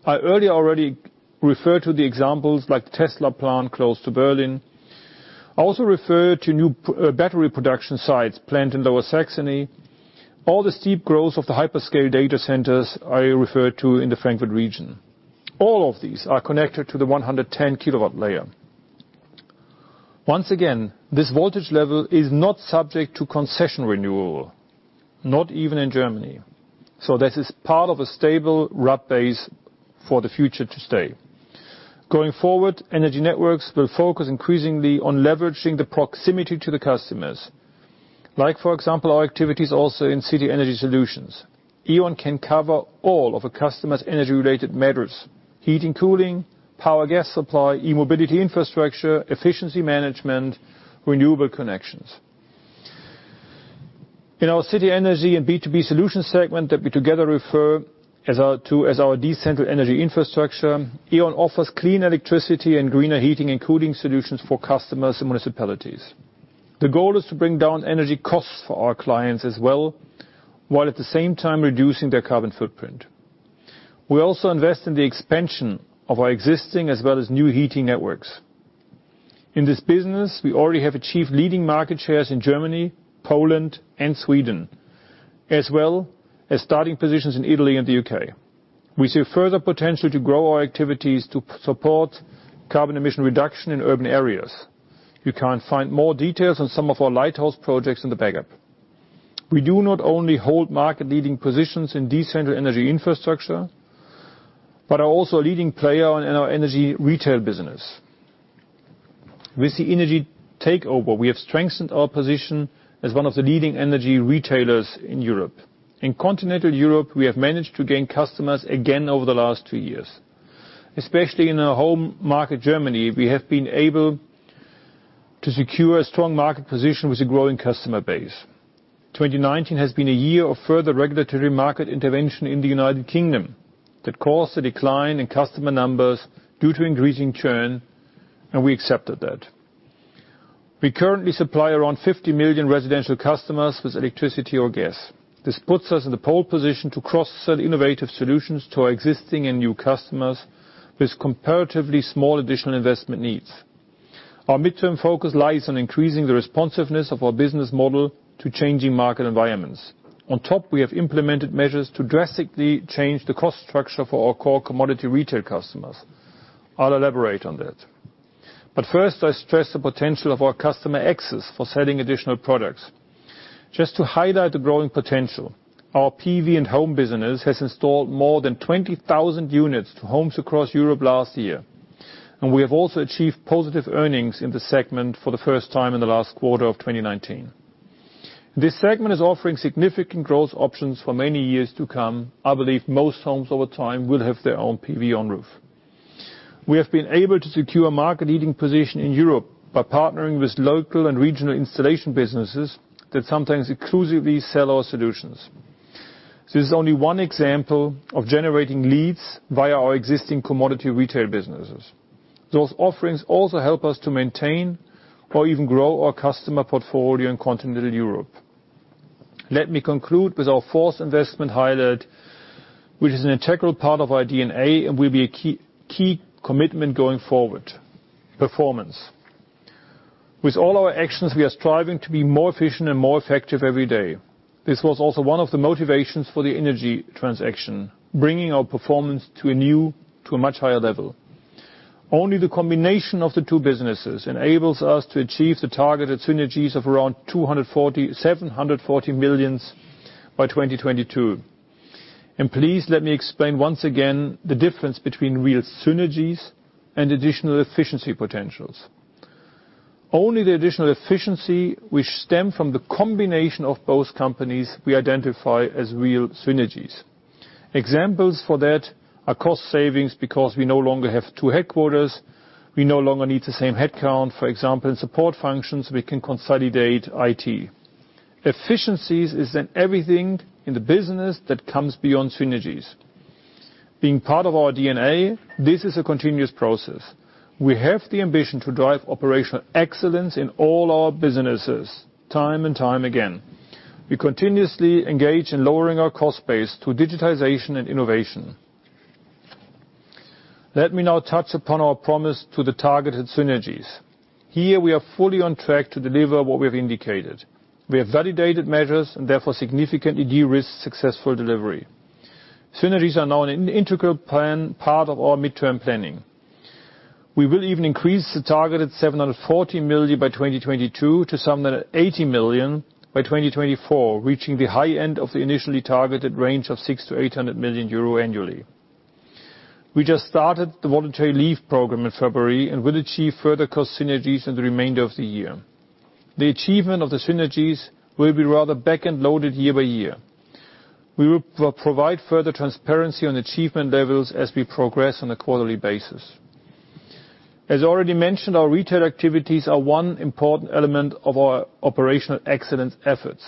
I earlier already referred to the examples like Tesla plant close to Berlin. I also referred to new battery production sites planned in Lower Saxony. All the steep growth of the hyperscale data centers I referred to in the Frankfurt region. All of these are connected to the 110 kV layer. Once again, this voltage level is not subject to concession renewal, not even in Germany. This is part of a stable RAB base for the future to stay. Going forward, energy networks will focus increasingly on leveraging the proximity to the customers. Like for example, our activities also in city energy solutions. E.ON can cover all of a customer's energy-related matters: heating, cooling, power, gas supply, e-mobility infrastructure, efficiency management, renewable connections. In our city energy and B2B solutions segment that we together refer to as our decentral energy infrastructure, E.ON offers clean electricity and greener heating and cooling solutions for customers and municipalities. The goal is to bring down energy costs for our clients as well, while at the same time reducing their carbon footprint. We also invest in the expansion of our existing as well as new heating networks. In this business, we already have achieved leading market shares in Germany, Poland, and Sweden, as well as starting positions in Italy and the U.K. We see further potential to grow our activities to support carbon emission reduction in urban areas. You can find more details on some of our lighthouse projects in the backup. We do not only hold market leading positions in decentral energy infrastructure, but are also a leading player in our energy retail business. With the energy takeover, we have strengthened our position as one of the leading energy retailers in Europe. In continental Europe, we have managed to gain customers again over the last two years. Especially in our home market, Germany, we have been able to secure a strong market position with a growing customer base. 2019 has been a year of further regulatory market intervention in the United Kingdom that caused a decline in customer numbers due to increasing churn, and we accepted that. We currently supply around 50 million residential customers with electricity or gas. This puts us in the pole position to cross-sell innovative solutions to our existing and new customers with comparatively small additional investment needs. We have implemented measures to drastically change the cost structure for our core commodity retail customers. I'll elaborate on that. First, I stress the potential of our customer access for selling additional products. Just to highlight the growing potential, our PV and home business has installed more than 20,000 units to homes across Europe last year, and we have also achieved positive earnings in the segment for the first time in the last quarter of 2019. This segment is offering significant growth options for many years to come. I believe most homes over time will have their own PV on roof. We have been able to secure a market leading position in Europe by partnering with local and regional installation businesses that sometimes exclusively sell our solutions. This is only one example of generating leads via our existing commodity retail businesses. Those offerings also help us to maintain or even grow our customer portfolio in continental Europe. Let me conclude with our fourth investment highlight, which is an integral part of our DNA and will be a key commitment going forward: performance. With all our actions, we are striving to be more efficient and more effective every day. This was also one of the motivations for the Innogy transaction, bringing our performance to a much higher level. Only the combination of the two businesses enables us to achieve the targeted synergies of around 740 million by 2022. Please let me explain once again the difference between real synergies and additional efficiency potentials. Only the additional efficiency which stem from the combination of both companies we identify as real synergies. Examples for that are cost savings because we no longer have two headquarters, we no longer need the same headcount, for example, in support functions, we can consolidate IT. Efficiencies is in everything in the business that comes beyond synergies. Being part of our DNA, this is a continuous process. We have the ambition to drive operational excellence in all our businesses time and time again. We continuously engage in lowering our cost base through digitization and innovation. Let me now touch upon our promise to the targeted synergies. Here we are fully on track to deliver what we have indicated. We have validated measures and therefore significantly de-risked successful delivery. Synergies are now an integral part of our midterm planning. We will even increase the target at 740 million by 2022 to some 800 million by 2024, reaching the high end of the initially targeted range of 600 million-800 million euro annually. We just started the voluntary leave program in February and will achieve further cost synergies in the remainder of the year. The achievement of the synergies will be rather back-end loaded year-by-year. We will provide further transparency on achievement levels as we progress on a quarterly basis. As already mentioned, our retail activities are one important element of our operational excellence efforts.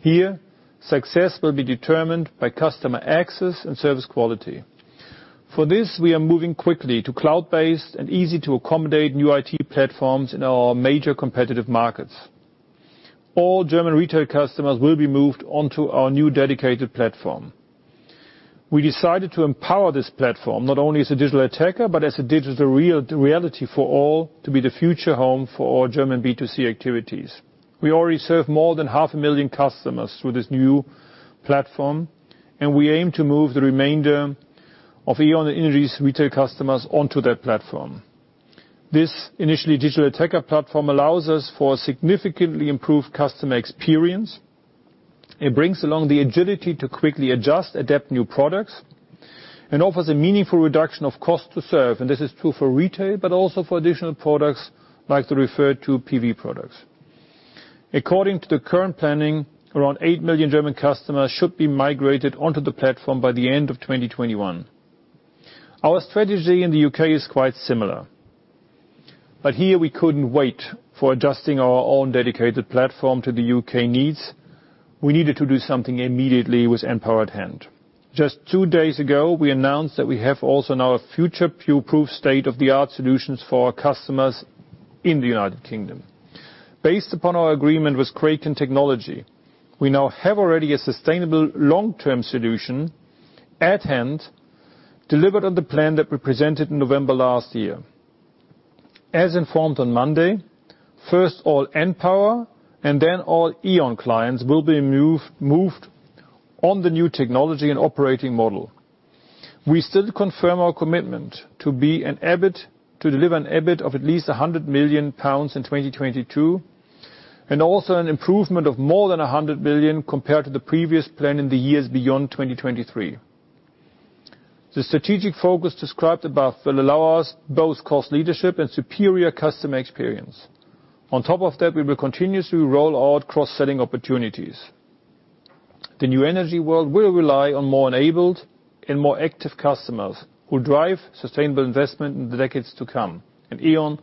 Here, success will be determined by customer access and service quality. For this, we are moving quickly to cloud-based and easy-to-accommodate new IT platforms in our major competitive markets. All German retail customers will be moved onto our new dedicated platform. We decided to empower this platform, not only as a digital attacker, but as a digital reality for all to be the future home for all German B2C activities. We already serve more than 500,000 customers through this new platform, and we aim to move the remainder of E.ON Energy's retail customers onto that platform. This initially digital attacker platform allows us for significantly improved customer experience. It brings along the agility to quickly adjust, adapt new products, and offers a meaningful reduction of cost to serve. This is true for retail, but also for additional products like the referred to PV products. According to the current planning, around 8 million German customers should be migrated onto the platform by the end of 2021. Our strategy in the U.K. is quite similar, but here we couldn't wait for adjusting our own dedicated platform to the U.K. needs. We needed to do something immediately with npower at hand. Just two days ago, we announced that we have also now a future-proof state-of-the-art solutions for our customers in the U.K. Based upon our agreement with Kraken Technologies, we now have already a sustainable long-term solution at hand, delivered on the plan that we presented in November last year. As informed on Monday, first all npower and then all E.ON clients will be moved on the new technology and operating model. We still confirm our commitment to deliver an EBIT of at least 100 million pounds in 2022, and also an improvement of more than 100 million compared to the previous plan in the years beyond 2023. The strategic focus described above will allow us both cost leadership and superior customer experience. On top of that, we will continuously roll out cross-selling opportunities. The new energy world will rely on more enabled and more active customers who drive sustainable investment in the decades to come, and E.ON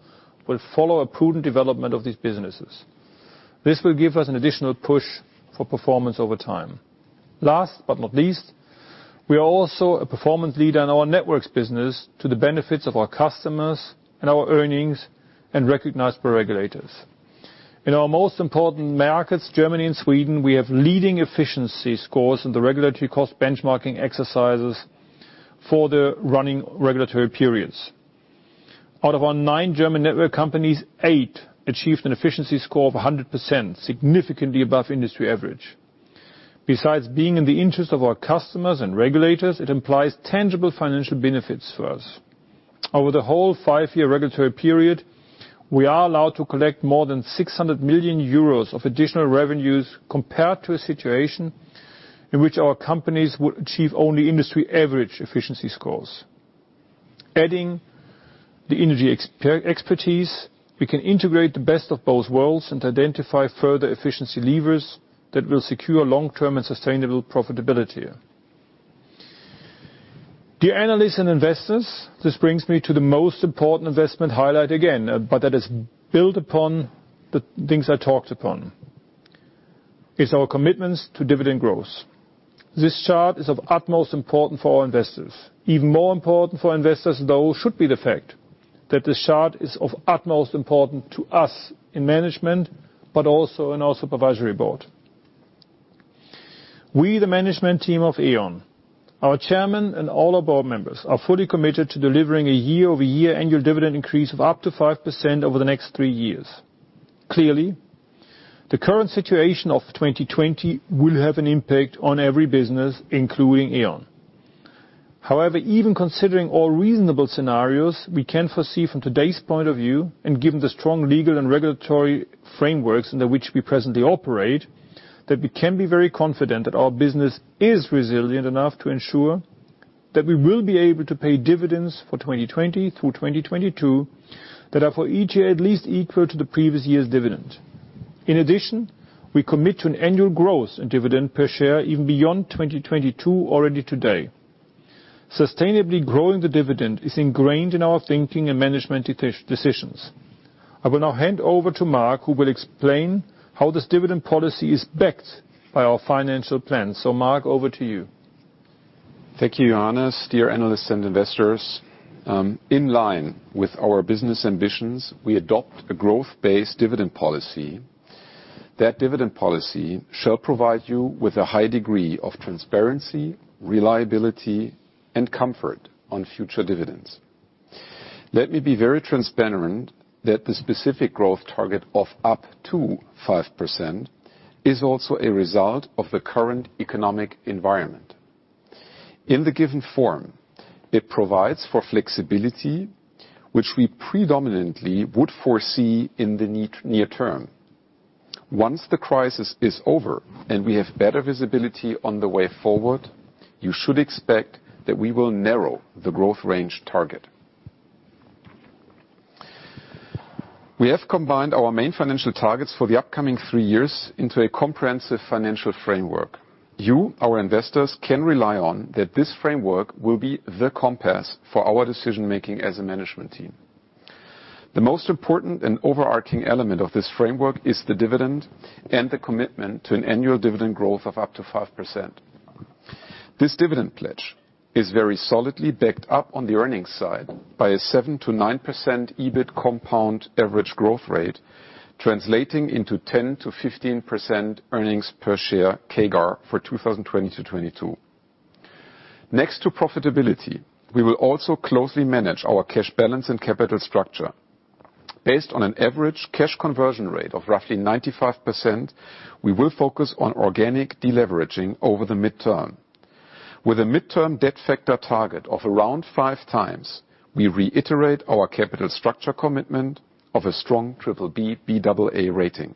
will follow a prudent development of these businesses. This will give us an additional push for performance over time. Last but not least, we are also a performance leader in our networks business to the benefits of our customers and our earnings, and recognized by regulators. In our most important markets, Germany and Sweden, we have leading efficiency scores in the regulatory cost benchmarking exercises for the running regulatory periods. Out of our nine German network companies, eight achieved an efficiency score of 100%, significantly above industry average. Besides being in the interest of our customers and regulators, it implies tangible financial benefits for us. Over the whole five-year regulatory period, we are allowed to collect more than 600 million euros of additional revenues compared to a situation in which our companies will achieve only industry average efficiency scores. Adding the energy expertise, we can integrate the best of both worlds and identify further efficiency levers that will secure long-term and sustainable profitability. Dear analysts and investors, this brings me to the most important investment highlight again, but that is built upon the things I talked upon. It's our commitments to dividend growth. This chart is of utmost importance for our investors. Even more important for investors, though, should be the fact that this chart is of utmost importance to us in management, but also in our supervisory board. We, the management team of E.ON, our chairman, and all our board members are fully committed to delivering a year-over-year annual dividend increase of up to 5% over the next three years. Clearly, the current situation of 2020 will have an impact on every business, including E.ON. However, even considering all reasonable scenarios, we can foresee from today's point of view, and given the strong legal and regulatory frameworks under which we presently operate, that we can be very confident that our business is resilient enough to ensure that we will be able to pay dividends for 2020 through 2022 that are for each year at least equal to the previous year's dividend. In addition, we commit to an annual growth in dividend per share even beyond 2022 already today. Sustainably growing the dividend is ingrained in our thinking and management decisions. I will now hand over to Marc, who will explain how this dividend policy is backed by our financial plan. Marc, over to you. Thank you, Johannes. Dear analysts and investors, in line with our business ambitions, we adopt a growth-based dividend policy. That dividend policy shall provide you with a high degree of transparency, reliability, and comfort on future dividends. Let me be very transparent that the specific growth target of up to 5% is also a result of the current economic environment. In the given form, it provides for flexibility, which we predominantly would foresee in the near term. Once the crisis is over and we have better visibility on the way forward, you should expect that we will narrow the growth range target. We have combined our main financial targets for the upcoming three years into a comprehensive financial framework. You, our investors, can rely on that this framework will be the compass for our decision-making as a management team. The most important and overarching element of this framework is the dividend and the commitment to an annual dividend growth of up to 5%. This dividend pledge is very solidly backed up on the earnings side by a 7%-9% EBIT compound average growth rate, translating into 10%-15% earnings per share CAGR for 2020-2022. Next to profitability, we will also closely manage our cash balance and capital structure. Based on an average cash conversion rate of roughly 95%, we will focus on organic deleveraging over the mid-term. With a mid-term debt factor target of around 5x, we reiterate our capital structure commitment of a strong BBB/Baa rating.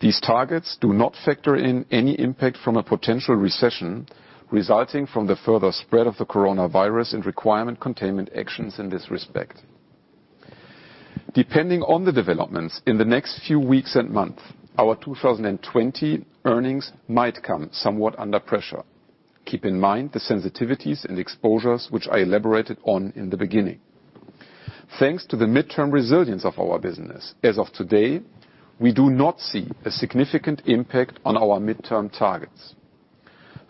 These targets do not factor in any impact from a potential recession resulting from the further spread of the coronavirus and requirement containment actions in this respect. Depending on the developments in the next few weeks and months, our 2020 earnings might come somewhat under pressure. Keep in mind the sensitivities and exposures which I elaborated on in the beginning. Thanks to the mid-term resilience of our business, as of today, we do not see a significant impact on our mid-term targets.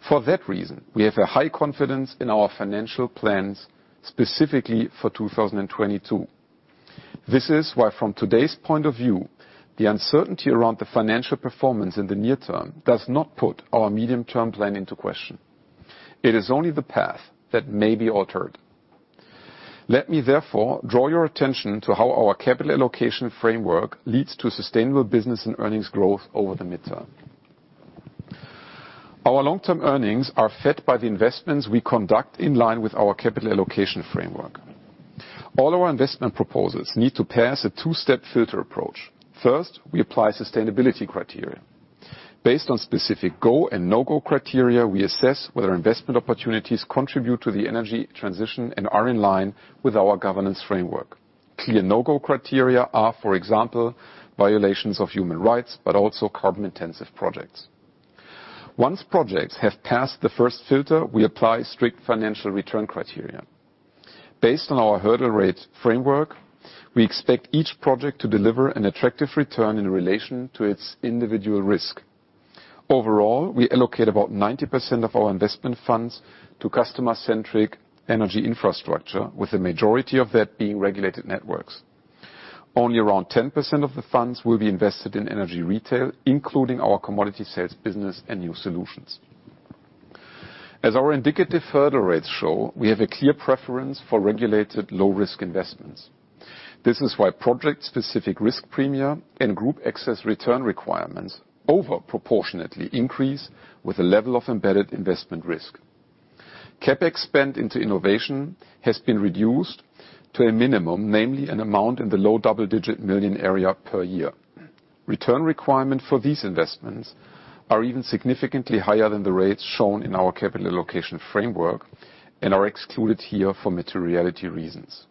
For that reason, we have a high confidence in our financial plans specifically for 2022. This is why from today's point of view, the uncertainty around the financial performance in the near term does not put our medium-term plan into question. It is only the path that may be altered. Let me therefore draw your attention to how our capital allocation framework leads to sustainable business and earnings growth over the mid-term. Our long-term earnings are fed by the investments we conduct in line with our capital allocation framework. All our investment proposals need to pass a two-step filter approach. First, we apply sustainability criteria. Based on specific go and no-go criteria, we assess whether investment opportunities contribute to the energy transition and are in line with our governance framework. Clear no-go criteria are, for example, violations of human rights, but also carbon intensive projects. Once projects have passed the first filter, we apply strict financial return criteria. Based on our hurdle rate framework, we expect each project to deliver an attractive return in relation to its individual risk. Overall, we allocate about 90% of our investment funds to customer-centric energy infrastructure, with the majority of that being regulated networks. Only around 10% of the funds will be invested in energy retail, including our commodity sales business and new solutions. As our indicative hurdle rates show, we have a clear preference for regulated low-risk investments. This is why project-specific risk premia and group excess return requirements over proportionately increase with the level of embedded investment risk. CapEx spend into innovation has been reduced to a minimum, namely an amount in the low double-digit million area per year. Return requirement for these investments are even significantly higher than the rates shown in our capital allocation framework and are excluded here for materiality reasons.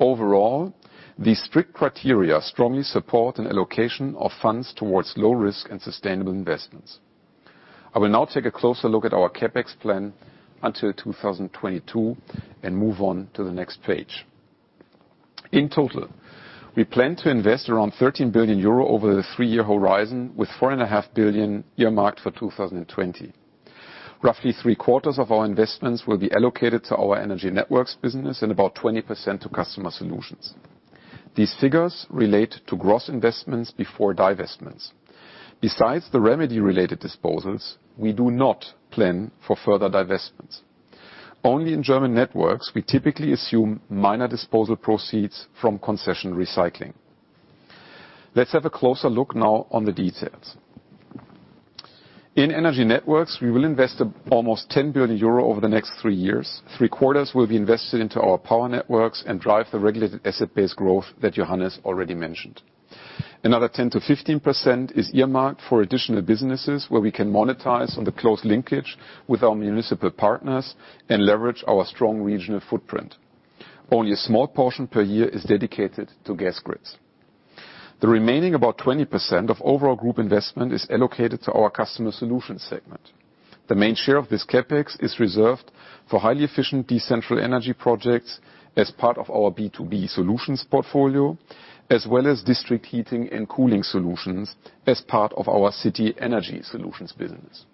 Overall, these strict criteria strongly support an allocation of funds towards low risk and sustainable investments. I will now take a closer look at our CapEx plan until 2022 and move on to the next page. In total, we plan to invest around 13 billion euro over the three-year horizon with 4.5 billion earmarked for 2020. Roughly three quarters of our investments will be allocated to our energy networks business and about 20% to customer solutions. These figures relate to gross investments before divestments. Besides the remedy-related disposals, we do not plan for further divestments. Only in German networks, we typically assume minor disposal proceeds from concession recycling. Let's have a closer look now on the details. In energy networks, we will invest almost 10 billion euro over the next three years. Three quarters will be invested into our power networks and drive the regulated asset-based growth that Johannes already mentioned. Another 10%-15% is earmarked for additional businesses where we can monetize on the close linkage with our municipal partners and leverage our strong regional footprint. Only a small portion per year is dedicated to gas grids. The remaining about 20% of overall group investment is allocated to our Customer Solutions segment. The main share of this CapEx is reserved for highly efficient decentral energy projects as part of our B2B solutions portfolio, as well as district heating and cooling solutions as part of our city energy solutions business.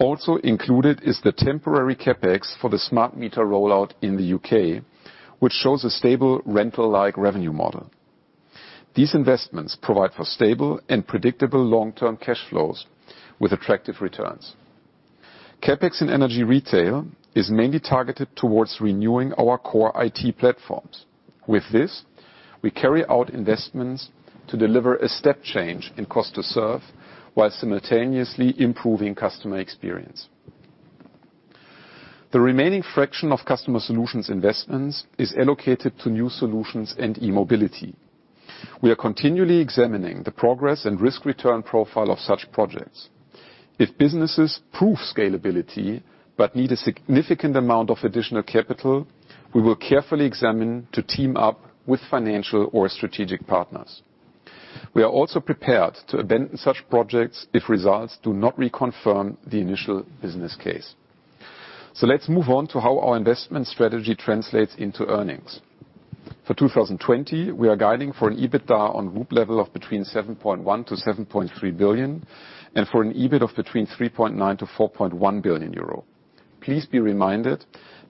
Also included is the temporary CapEx for the smart meter rollout in the U.K., which shows a stable rental-like revenue model. These investments provide for stable and predictable long-term cash flows with attractive returns. CapEx in energy retail is mainly targeted towards renewing our core IT platforms. With this, we carry out investments to deliver a step change in cost to serve while simultaneously improving customer experience. The remaining fraction of customer solutions investments is allocated to new solutions and e-mobility. We are continually examining the progress and risk-return profile of such projects. If businesses prove scalability but need a significant amount of additional capital, we will carefully examine to team up with financial or strategic partners. We are also prepared to abandon such projects if results do not reconfirm the initial business case. Let's move on to how our investment strategy translates into earnings. For 2020, we are guiding for an EBITDA on group level of between 7.1 billion-7.3 billion and for an EBIT of between 3.9 billion-4.1 billion euro. Please be reminded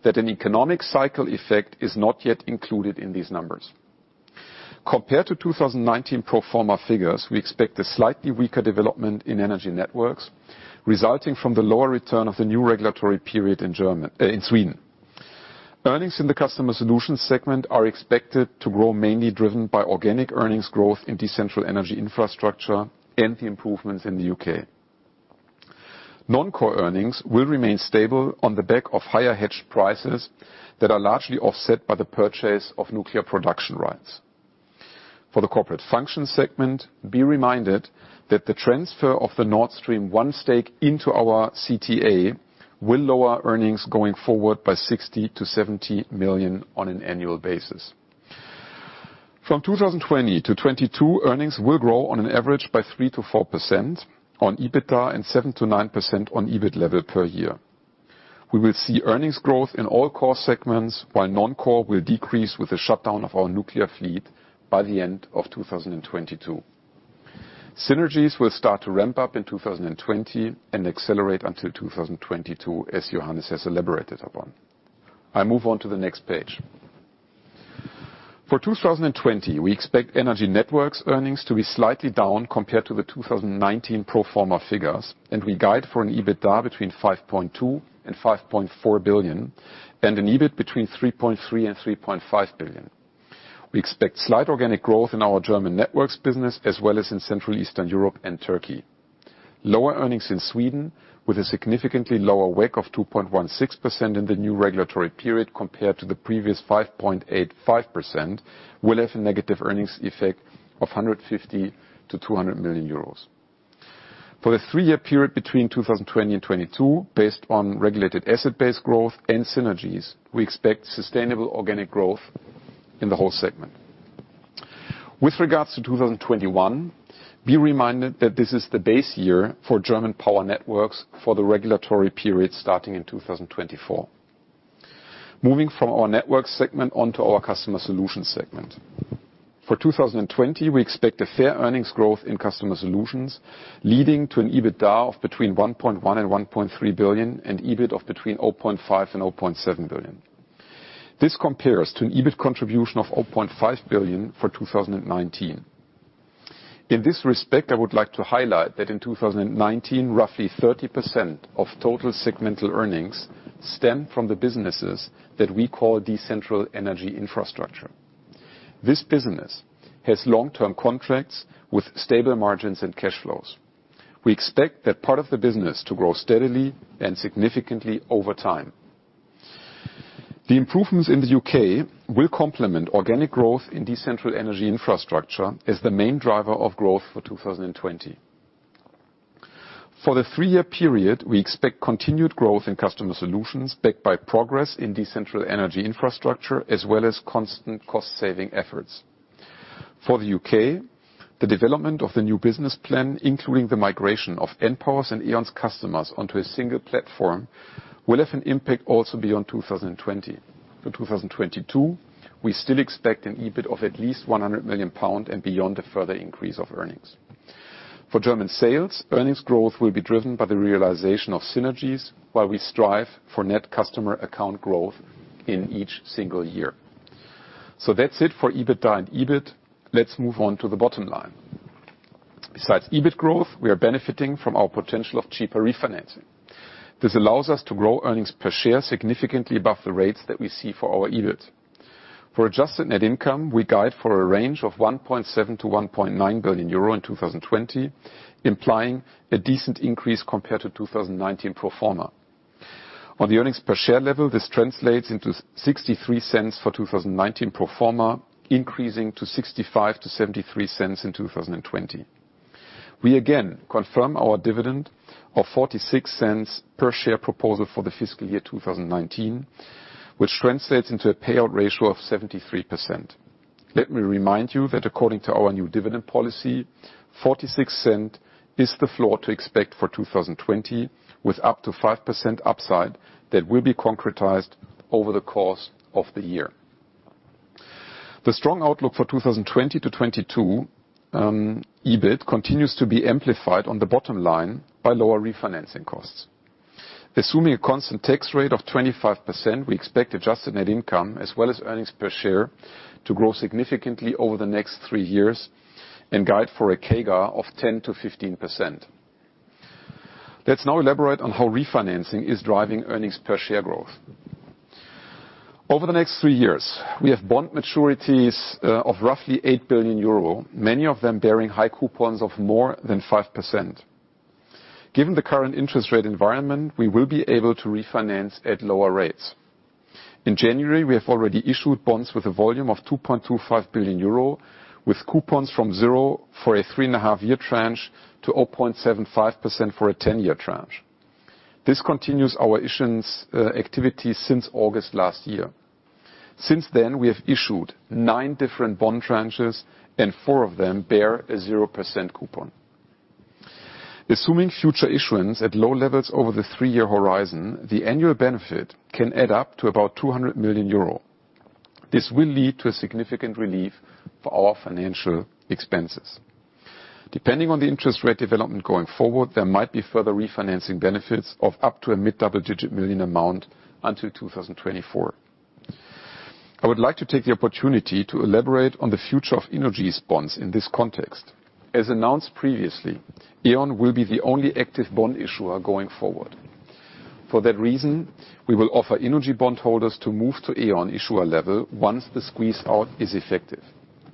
that an economic cycle effect is not yet included in these numbers. Compared to 2019 pro forma figures, we expect a slightly weaker development in energy networks, resulting from the lower return of the new regulatory period in Sweden. Earnings in the Customer Solutions segment are expected to grow, mainly driven by organic earnings growth in decentral energy infrastructure and the improvements in the U.K. Non-core earnings will remain stable on the back of higher hedged prices that are largely offset by the purchase of nuclear production rights. For the corporate function segment, be reminded that the transfer of the Nord Stream 1 stake into our CTA will lower earnings going forward by 60 million-70 million on an annual basis. From 2020-2022, earnings will grow on an average by 3%-4% on EBITDA and 7%-9% on EBIT level per year. We will see earnings growth in all core segments, while non-core will decrease with the shutdown of our nuclear fleet by the end of 2022. Synergies will start to ramp up in 2020 and accelerate until 2022, as Johannes has elaborated upon. I move on to the next page. For 2020, we expect energy networks earnings to be slightly down compared to the 2019 pro forma figures. We guide for an EBITDA between 5.2 billion and 5.4 billion and an EBIT between 3.3 billion and 3.5 billion. We expect slight organic growth in our German networks business as well as in Central Eastern Europe and Turkey. Lower earnings in Sweden with a significantly lower WACC of 2.16% in the new regulatory period compared to the previous 5.85% will have a negative earnings effect of 150 million-200 million euros. For the three-year period between 2020 and 2022, based on regulated asset-based growth and synergies, we expect sustainable organic growth in the whole segment. With regards to 2021, be reminded that this is the base year for German power networks for the regulatory period starting in 2024. Moving from our network segment onto our customer solutions segment. For 2020, we expect a fair earnings growth in customer solutions, leading to an EBITDA of between 1.1 billion and 1.3 billion and EBIT of between 0.5 billion and 0.7 billion. This compares to an EBIT contribution of 0.5 billion for 2019. In this respect, I would like to highlight that in 2019, roughly 30% of total segmental earnings stemmed from the businesses that we call decentral energy infrastructure. This business has long-term contracts with stable margins and cash flows. We expect that part of the business to grow steadily and significantly over time. The improvements in the U.K. will complement organic growth in decentral energy infrastructure as the main driver of growth for 2020. For the three-year period, we expect continued growth in customer solutions, backed by progress in decentral energy infrastructure, as well as constant cost-saving efforts. For the U.K., the development of the new business plan, including the migration of npower's and E.ON's customers onto a single platform, will have an impact also beyond 2020. For 2022, we still expect an EBIT of at least 100 million pounds and beyond a further increase of earnings. For German sales, earnings growth will be driven by the realization of synergies, while we strive for net customer account growth in each single year. That's it for EBITDA and EBIT. Let's move on to the bottom line. Besides EBIT growth, we are benefiting from our potential of cheaper refinancing. This allows us to grow earnings per share significantly above the rates that we see for our EBIT. For adjusted net income, we guide for a range of 1.7 billion-1.9 billion euro in 2020, implying a decent increase compared to 2019 pro forma. On the earnings per share level, this translates into 0.63 for 2019 pro forma, increasing to 0.65-0.73 in 2020. We again confirm our dividend of 0.46 per share proposal for the fiscal year 2019, which translates into a payout ratio of 73%. Let me remind you that according to our new dividend policy, 0.46 is the floor to expect for 2020, with up to 5% upside that will be concretized over the course of the year. The strong outlook for 2020-2022, EBIT, continues to be amplified on the bottom line by lower refinancing costs. Assuming a constant tax rate of 25%, we expect adjusted net income as well as earnings per share to grow significantly over the next three years and guide for a CAGR of 10%-15%. Let's now elaborate on how refinancing is driving earnings per share growth. Over the next three years, we have bond maturities of roughly 8 billion euro, many of them bearing high coupons of more than 5%. Given the current interest rate environment, we will be able to refinance at lower rates. In January, we have already issued bonds with a volume of 2.25 billion euro, with coupons from 0% for a 3.5-year tranche to 0.75% for a 10-year tranche. This continues our issuance activities since August last year. Since then, we have issued nine different bond tranches, and four of them bear a 0% coupon. Assuming future issuance at low levels over the three-year horizon, the annual benefit can add up to about 200 million euro. This will lead to a significant relief for our financial expenses. Depending on the interest rate development going forward, there might be further refinancing benefits of up to a mid-double-digit million amount until 2024. I would like to take the opportunity to elaborate on the future of Innogy's bonds in this context. As announced previously, E.ON will be the only active bond issuer going forward. For that reason, we will offer Innogy bondholders to move to E.ON issuer level once the squeeze-out is effective.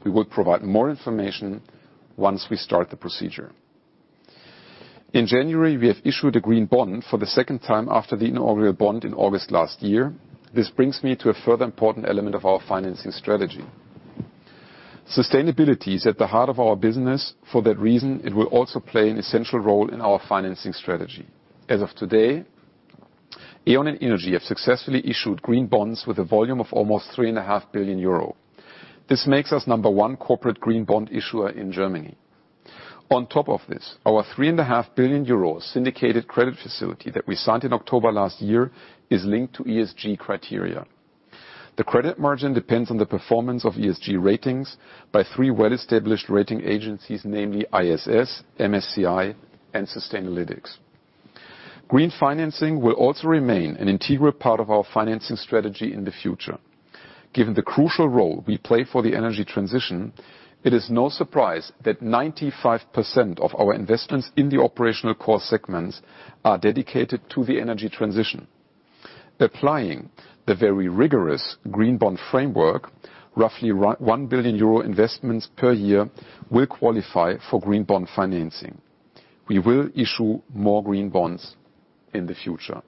We will provide more information once we start the procedure. In January, we have issued a green bond for the second time after the inaugural bond in August last year. This brings me to a further important element of our financing strategy. Sustainability is at the heart of our business. For that reason, it will also play an essential role in our financing strategy. As of today, E.ON and Innogy have successfully issued green bonds with a volume of almost 3.5 billion euro. This makes us number one corporate green bond issuer in Germany. On top of this, our 3.5 billion euros syndicated credit facility that we signed in October last year is linked to ESG criteria. The credit margin depends on the performance of ESG ratings by three well-established rating agencies, namely ISS, MSCI, and Sustainalytics. Green financing will remain an integral part of our financing strategy in the future. Given the crucial role we play for the energy transition, it is no surprise that 95% of our investments in the operational core segments are dedicated to the energy transition. Applying the very rigorous green bond framework, roughly 1 billion euro investments per year will qualify for green bond financing. We will issue more green bonds in the future.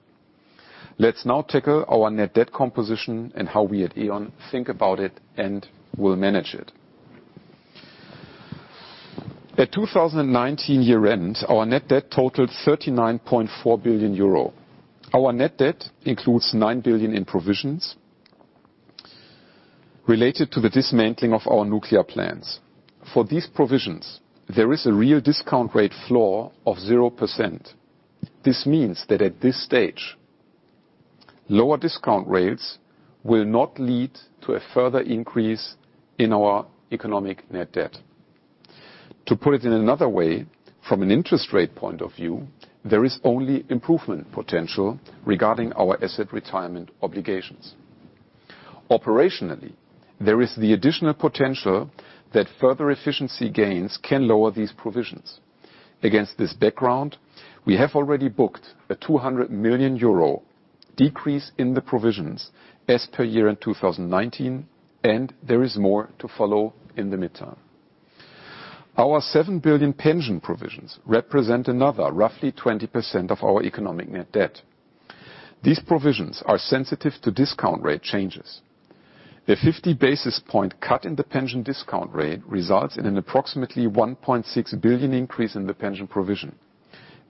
Let's now tackle our net debt composition and how we at E.ON think about it and will manage it. At 2019 year-end, our net debt totaled 39.4 billion euro. Our net debt includes 9 billion in provisions related to the dismantling of our nuclear plants. For these provisions, there is a real discount rate floor of 0%. This means that at this stage, lower discount rates will not lead to a further increase in our economic net debt. To put it in another way, from an interest rate point of view, there is only improvement potential regarding our asset retirement obligations. Operationally, there is the additional potential that further efficiency gains can lower these provisions. Against this background, we have already booked a 200 million euro decrease in the provisions as per year-end 2019, and there is more to follow in the midterm. Our 7 billion pension provisions represent another roughly 20% of our economic net debt. These provisions are sensitive to discount rate changes. A 50 basis point cut in the pension discount rate results in an approximately 1.6 billion increase in the pension provision.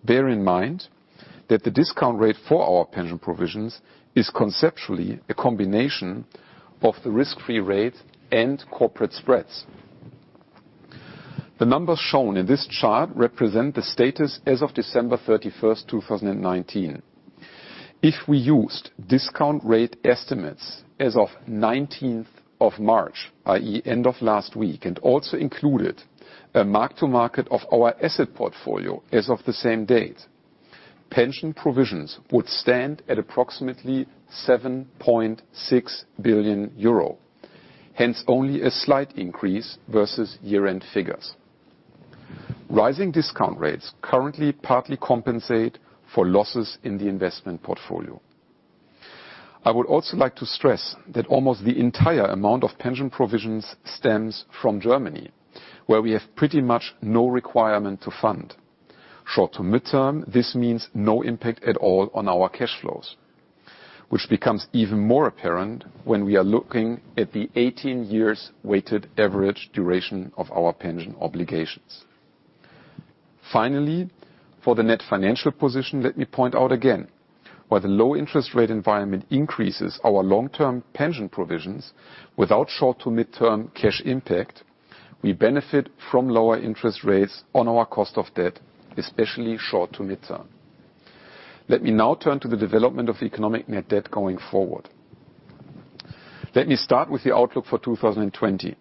Bear in mind, that the discount rate for our pension provisions is conceptually a combination of the risk-free rate and corporate spreads. The numbers shown in this chart represent the status as of December 31st, 2019. If we used discount rate estimates as of 19th of March, i.e. end of last week, and also included a mark to market of our asset portfolio as of the same date, pension provisions would stand at approximately 7.6 billion euro. Hence, only a slight increase versus year-end figures. Rising discount rates currently partly compensate for losses in the investment portfolio. I would also like to stress that almost the entire amount of pension provisions stems from Germany, where we have pretty much no requirement to fund. Short to midterm, this means no impact at all on our cash flows, which becomes even more apparent when we are looking at the 18 years weighted average duration of our pension obligations. Finally, for the net financial position, let me point out again, while the low interest rate environment increases our long-term pension provisions without short to midterm cash impact, we benefit from lower interest rates on our cost of debt, especially short to midterm. Let me now turn to the development of economic net debt going forward. Let me start with the outlook for 2020.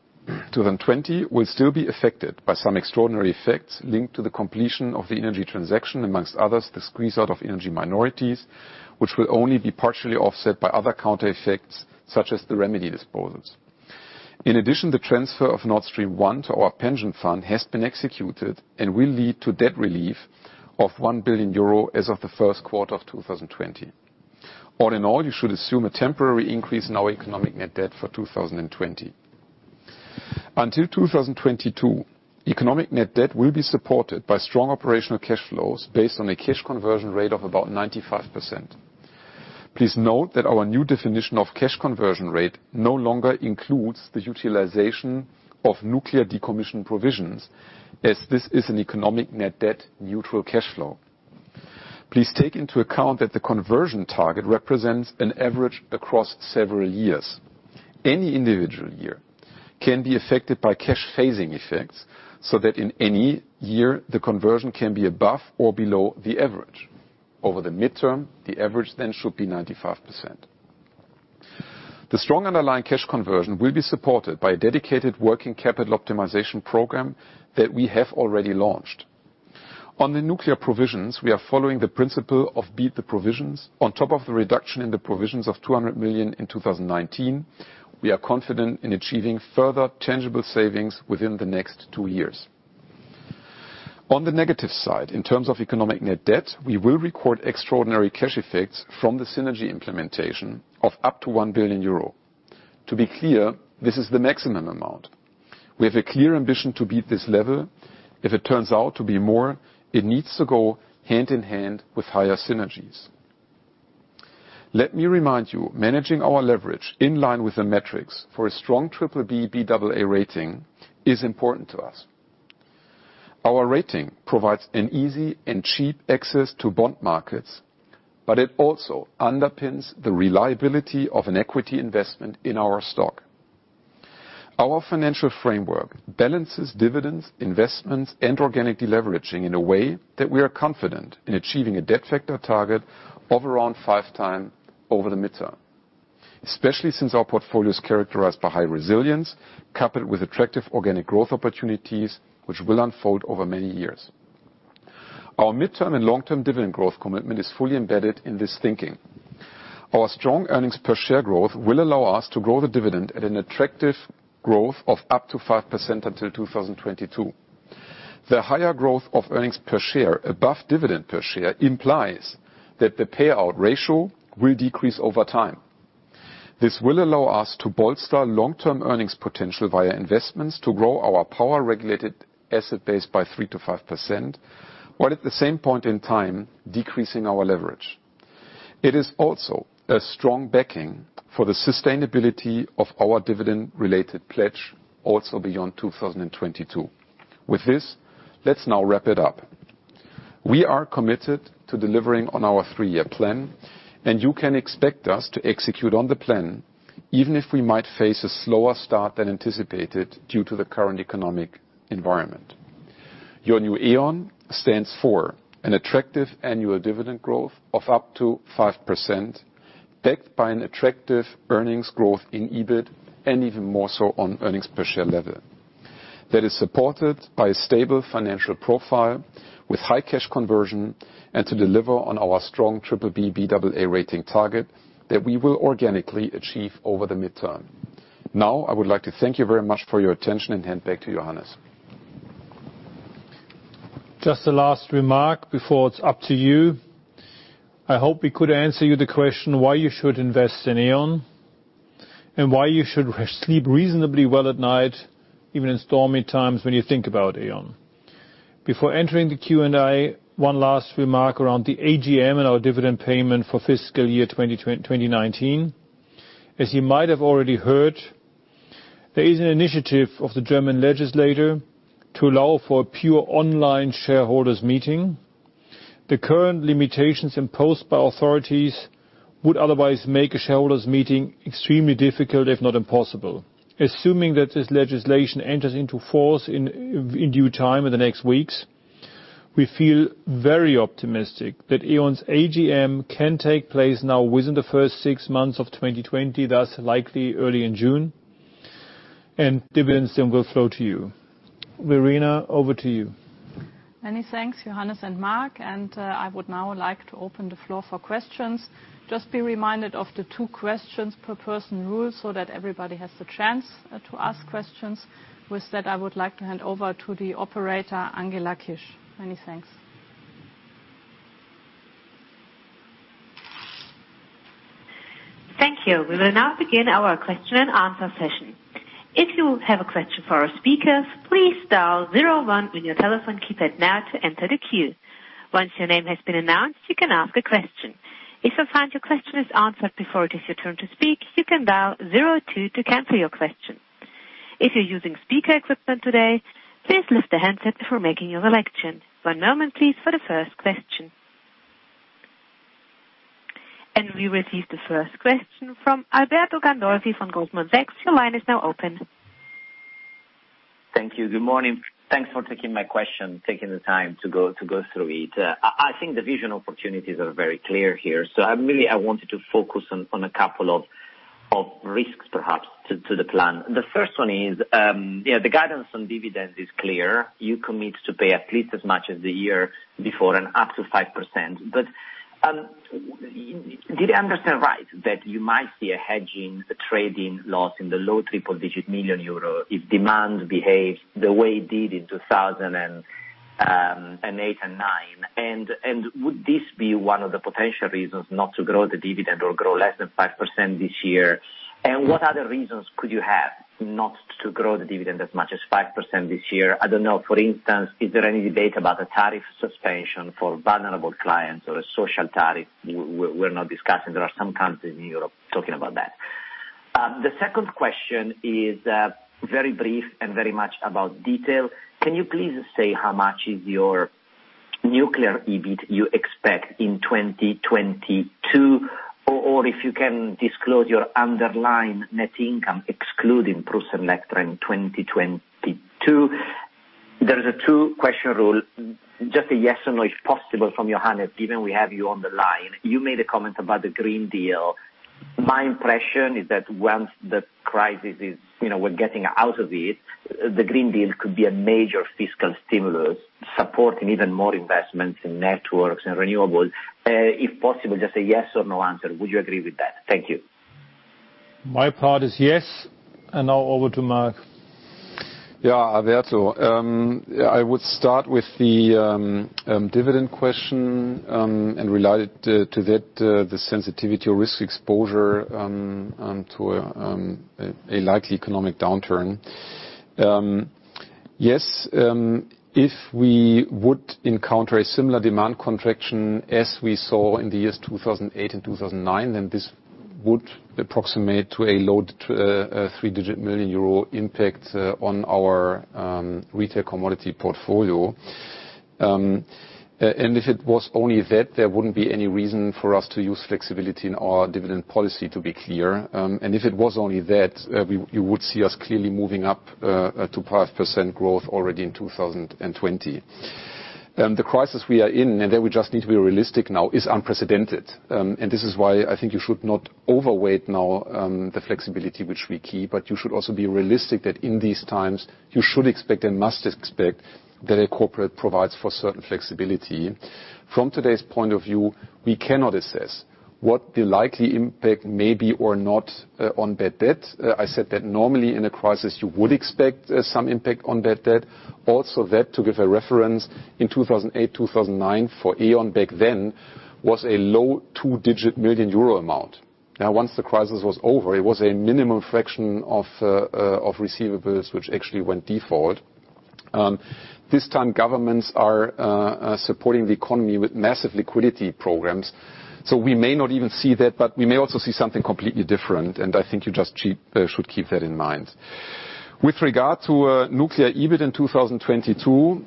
2020 will still be affected by some extraordinary effects linked to the completion of the Innogy transaction, amongst others, the squeeze-out of energy minorities, which will only be partially offset by other counter effects, such as the remedy disposals. In addition, the transfer of Nord Stream 1 to our pension fund has been executed and will lead to debt relief of 1 billion euro as of the first quarter of 2020. All in all, you should assume a temporary increase in our economic net debt for 2020. Until 2022, economic net debt will be supported by strong operational cash flows based on a cash conversion rate of about 95%. Please note that our new definition of cash conversion rate no longer includes the utilization of nuclear decommission provisions, as this is an economic net debt neutral cash flow. Please take into account that the conversion target represents an average across several years. Any individual year can be affected by cash phasing effects, so that in any year the conversion can be above or below the average. Over the midterm, the average then should be 95%. The strong underlying cash conversion will be supported by a dedicated working capital optimization program that we have already launched. On the nuclear provisions, we are following the principle of beat the provisions. On top of the reduction in the provisions of 200 million in 2019, we are confident in achieving further tangible savings within the next two years. On the negative side, in terms of economic net debt, we will record extraordinary cash effects from the synergy implementation of up to 1 billion euro. To be clear, this is the maximum amount. We have a clear ambition to beat this level. If it turns out to be more, it needs to go hand in hand with higher synergies. Let me remind you, managing our leverage in line with the metrics for a strong BBB/Baa rating is important to us. Our rating provides an easy and cheap access to bond markets, but it also underpins the reliability of an equity investment in our stock. Our financial framework balances dividends, investments, and organic deleveraging in a way that we are confident in achieving a debt factor target of around 5x over the midterm. Especially since our portfolio is characterized by high resilience, coupled with attractive organic growth opportunities, which will unfold over many years. Our midterm and long-term dividend growth commitment is fully embedded in this thinking. Our strong earnings per share growth will allow us to grow the dividend at an attractive growth of up to 5% until 2022. The higher growth of earnings per share above dividend per share implies that the payout ratio will decrease over time. This will allow us to bolster long-term earnings potential via investments to grow our power-regulated asset base by 3%-5%, while at the same point in time, decreasing our leverage. It is also a strong backing for the sustainability of our dividend-related pledge, also beyond 2022. With this, let's now wrap it up. We are committed to delivering on our three-year plan. You can expect us to execute on the plan, even if we might face a slower start than anticipated due to the current economic environment. Your new E.ON stands for an attractive annual dividend growth of up to 5%, backed by an attractive earnings growth in EBIT and even more so on earnings per share level. That is supported by a stable financial profile with high cash conversion and to deliver on our strong BBB/Baa rating target that we will organically achieve over the midterm. I would like to thank you very much for your attention and hand back to Johannes. Just a last remark before it's up to you. I hope we could answer you the question why you should invest in E.ON, and why you should sleep reasonably well at night, even in stormy times when you think about E.ON. Before entering the Q&A, one last remark around the AGM and our dividend payment for fiscal year 2019. As you might have already heard, there is an initiative of the German legislator to allow for a pure online shareholders meeting. The current limitations imposed by authorities would otherwise make a shareholders meeting extremely difficult, if not impossible. Assuming that this legislation enters into force in due time in the next weeks, we feel very optimistic that E.ON's AGM can take place now within the first six months of 2020, thus likely early in June, and dividends then will flow to you. Verena, over to you. Many thanks, Johannes and Marc, and I would now like to open the floor for questions. Just be reminded of the two questions per person rule, so that everybody has the chance to ask questions. With that, I would like to hand over to the operator, Angela Kish. Many thanks. Thank you. We will now begin our question-and-answer session. If you have a question for our speakers, please dial zero one on your telephone keypad now to enter the queue. Once your name has been announced, you can ask a question. If you find your question is answered before it is your turn to speak, you can dial zero two to cancel your question. If you're using speaker equipment today, please lift the handset before making your selection. One moment please for the first question. We receive the first question from Alberto Gandolfi from Goldman Sachs. Your line is now open. Thank you. Good morning. Thanks for taking my question, taking the time to go through it. I think the vision opportunities are very clear here. Really, I wanted to focus on a couple of risks perhaps to the plan. The first one is, the guidance on dividends is clear. You commit to pay at least as much as the year before and up to 5%. Did I understand right that you might see a hedging trading loss in the low triple-digit million EUR if demand behaves the way it did in 2008 and 2009? Would this be one of the potential reasons not to grow the dividend or grow less than 5% this year? What other reasons could you have not to grow the dividend as much as 5% this year? I don't know. For instance, is there any debate about a tariff suspension for vulnerable clients or a social tariff? We're not discussing. There are some countries in Europe talking about that. The second question is very brief and very much about detail. Can you please say how much is your nuclear EBIT you expect in 2022? Or if you can disclose your underlying net income excluding PreussenElektra in 2022? There is a two-question rule. Just a yes or no if possible from Johannes, given we have you on the line. You made a comment about the Green Deal. My impression is that once the crisis is, we're getting out of it, the Green Deal could be a major fiscal stimulus, supporting even more investments in networks and renewables. If possible, just a yes or no answer. Would you agree with that? Thank you. My part is yes. Now over to Marc. Alberto. I would start with the dividend question, and related to that, the sensitivity or risk exposure to a likely economic downturn. Yes, if we would encounter a similar demand contraction as we saw in the years 2008 and 2009, then this would approximate to a low three-digit million euro impact on our retail commodity portfolio. If it was only that, there wouldn't be any reason for us to use flexibility in our dividend policy, to be clear. If it was only that, you would see us clearly moving up to 5% growth already in 2020. The crisis we are in, and there we just need to be realistic now, is unprecedented. This is why I think you should not overweight now the flexibility which we keep, but you should also be realistic that in these times, you should expect and must expect that a corporate provides for certain flexibility. From today's point of view, we cannot assess what the likely impact may be or not on bad debt. I said that normally in a crisis, you would expect some impact on bad debt. Also that, to give a reference, in 2008, 2009, for E.ON back then, was a low two-digit million EUR amount. Once the crisis was over, it was a minimum fraction of receivables which actually went default. This time, governments are supporting the economy with massive liquidity programs. We may not even see that, but we may also see something completely different, and I think you just should keep that in mind. With regard to nuclear EBIT in 2022,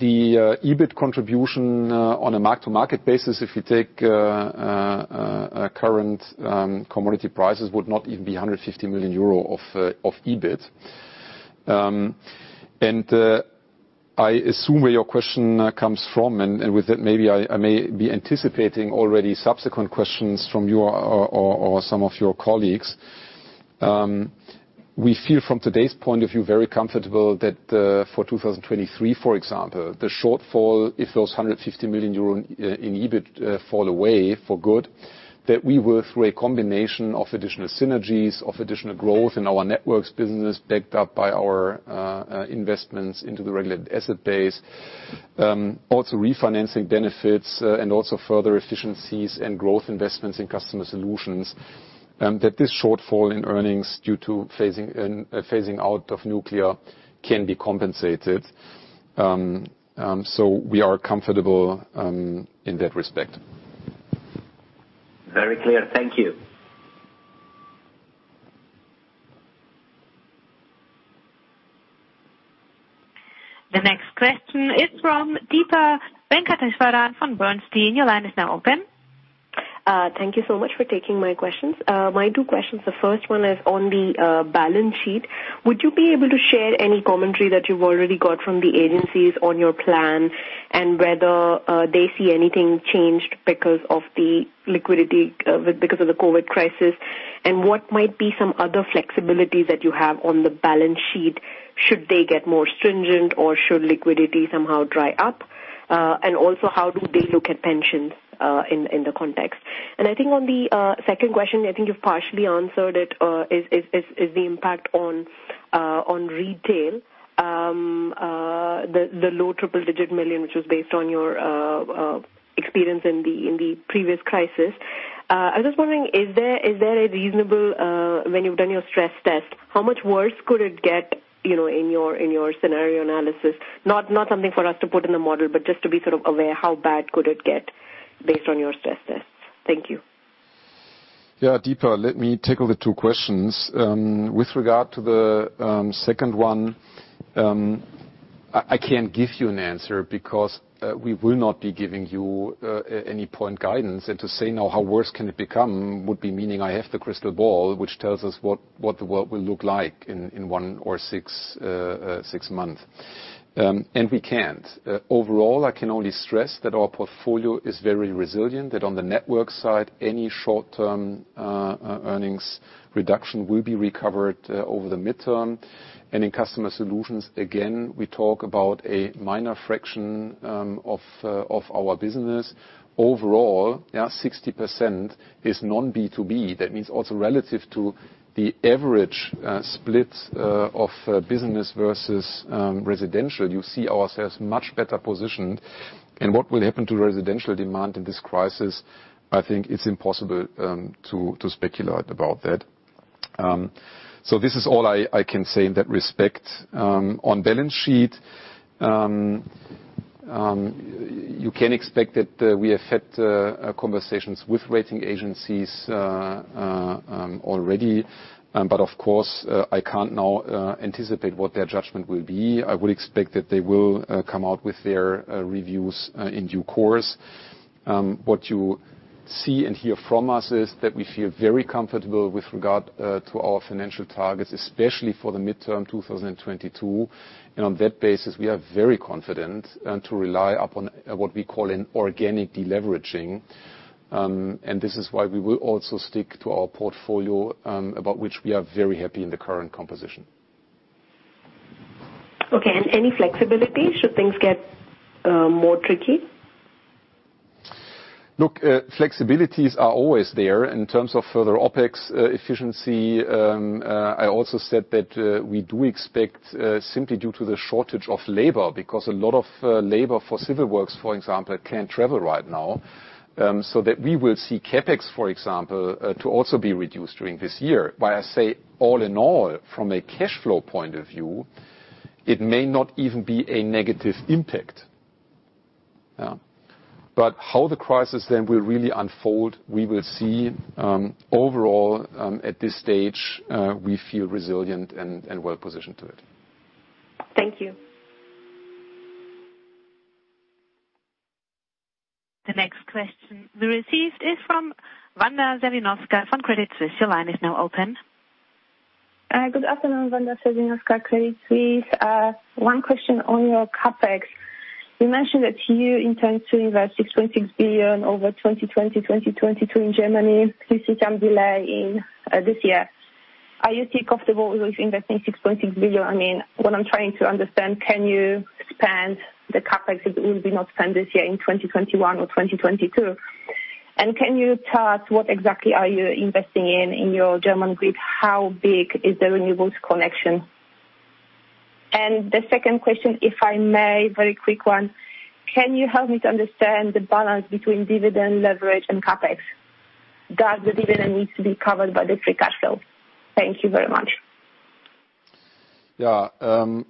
the EBIT contribution on a mark-to-market basis, if you take current commodity prices, would not even be 150 million euro of EBIT. I assume where your question comes from, and with it, maybe I may be anticipating already subsequent questions from you or some of your colleagues. We feel, from today's point of view, very comfortable that for 2023, for example, the shortfall, if those 150 million euro in EBIT fall away for good, that we will, through a combination of additional synergies, of additional growth in our networks business, backed up by our investments into the regulated asset base, also refinancing benefits, and also further efficiencies and growth investments in customer solutions, that this shortfall in earnings due to phasing out of nuclear can be compensated. We are comfortable in that respect. Very clear. Thank you. The next question is from Deepa Venkateswaran from Bernstein. Your line is now open. Thank you so much for taking my questions. My two questions, the first one is on the balance sheet. Would you be able to share any commentary that you've already got from the agencies on your plan, and whether they see anything changed because of the liquidity, because of the COVID crisis? What might be some other flexibilities that you have on the balance sheet, should they get more stringent or should liquidity somehow dry up? How do they look at pensions in the context? I think on the second question, I think you've partially answered it, is the impact on retail. The low triple digit million, which was based on your experience in the previous crisis. I'm just wondering, is there a reasonable, when you've done your stress test, how much worse could it get in your scenario analysis? Not something for us to put in a model, but just to be sort of aware, how bad could it get based on your stress tests? Thank you. Deepa, let me take all the two questions. With regard to the second one, I can't give you an answer because we will not be giving you any point guidance. To say now how worse can it become would be meaning I have the crystal ball, which tells us what the world will look like in one or six months. We can't. Overall, I can only stress that our portfolio is very resilient, that on the network side, any short-term earnings reduction will be recovered over the midterm. In customer solutions, again, we talk about a minor fraction of our business. Overall, 60% is non B2B. That means also relative to the average split of business versus residential, you see ourselves much better positioned. What will happen to residential demand in this crisis, I think it's impossible to speculate about that. This is all I can say in that respect. On balance sheet, you can expect that we have had conversations with rating agencies already. Of course, I can't now anticipate what their judgment will be. I would expect that they will come out with their reviews in due course. What you see and hear from us is that we feel very comfortable with regard to our financial targets, especially for the midterm 2022. On that basis, we are very confident to rely upon what we call an organic deleveraging. This is why we will also stick to our portfolio, about which we are very happy in the current composition. Okay, any flexibility should things get more tricky? Flexibilities are always there in terms of further OpEx efficiency. I also said that we do expect, simply due to the shortage of labor, because a lot of labor for civil works, for example, can't travel right now. That we will see CapEx, for example, to also be reduced during this year. I say all in all, from a cash flow point of view, it may not even be a negative impact. How the crisis then will really unfold, we will see. Overall, at this stage, we feel resilient and well-positioned to it. Thank you. The next question we received is from Wanda Serwinowska from Credit Suisse. Your line is now open. Good afternoon, Wanda Serwinowska, Credit Suisse. One question on your CapEx. You mentioned that you intend to invest 6.6 billion over 2020-2022 in Germany. You see some delay in this year. Are you still comfortable with investing 6.6 billion? What I'm trying to understand, can you expand the CapEx that will be not spent this year in 2021 or 2022? Can you tell us what exactly are you investing in your German grid? How big is the renewables connection? The second question, if I may, very quick one. Can you help me to understand the balance between dividend leverage and CapEx? Does the dividend need to be covered by the free cash flow? Thank you very much. On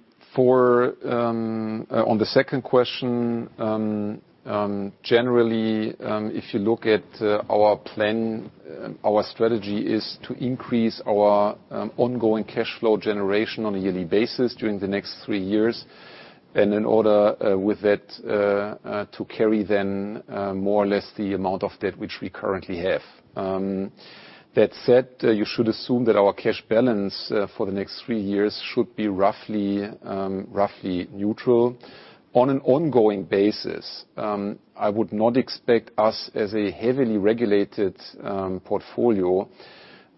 the second question, generally, if you look at our plan, our strategy is to increase our ongoing cash flow generation on a yearly basis during the next three years. In order with that, to carry then more or less the amount of debt which we currently have. That said, you should assume that our cash balance for the next three years should be roughly neutral. On an ongoing basis, I would not expect us, as a heavily regulated portfolio,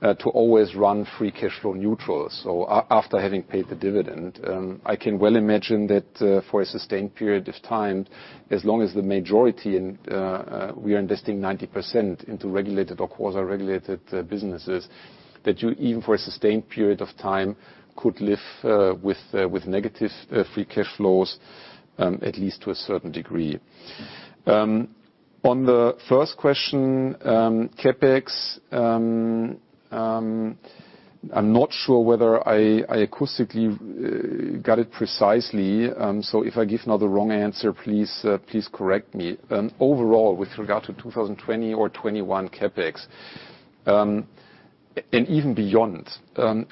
to always run free cash flow neutral. After having paid the dividend, I can well imagine that for a sustained period of time, as long as the majority, we are investing 90% into regulated or quasi-regulated businesses, that you, even for a sustained period of time, could live with negative free cash flows, at least to a certain degree. On the first question, CapEx, I'm not sure whether I acoustically got it precisely. If I give now the wrong answer, please correct me. Overall, with regard to 2020 or 2021 CapEx, and even beyond,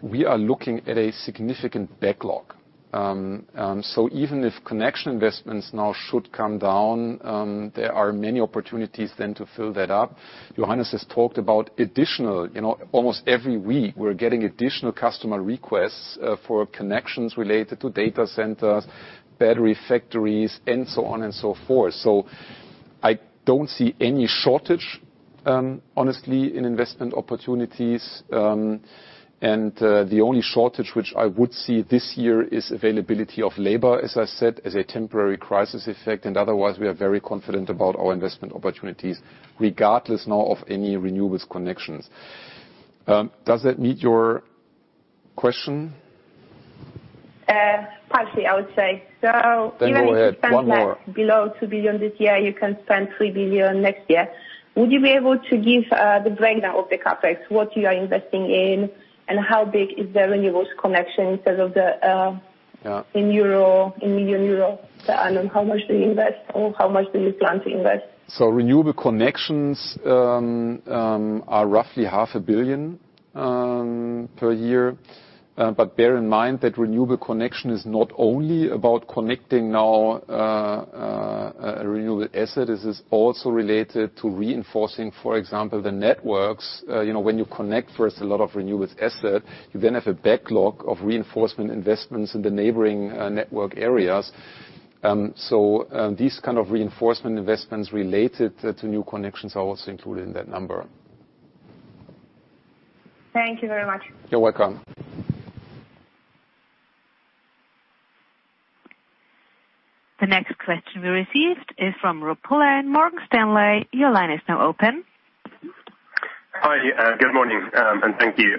we are looking at a significant backlog. Even if connection investments now should come down, there are many opportunities then to fill that up. Johannes has talked about additional, almost every week, we're getting additional customer requests for connections related to data centers, battery factories, and so on and so forth. I don't see any shortage, honestly, in investment opportunities. The only shortage which I would see this year is availability of labor, as I said, as a temporary crisis effect. Otherwise, we are very confident about our investment opportunities, regardless now of any renewables connections. Does that meet your question? Partly, I would say. Go ahead. One more. If you spend that below 2 billion this year, you can spend 3 billion next year. Would you be able to give the breakdown of the CapEx, what you are investing in, and how big is the renewables connection in million euro? How much do you invest, or how much do you plan to invest? Renewable connections are roughly 0.5 billion per year. Bear in mind that renewable connection is not only about connecting now a renewable asset. This is also related to reinforcing, for example, the networks. When you connect first a lot of renewables asset, you then have a backlog of reinforcement investments in the neighboring network areas. These kind of reinforcement investments related to new connections are also included in that number. Thank you very much. You're welcome. The next question we received is from Rupal at Morgan Stanley. Your line is now open. Hi. Good morning, and thank you.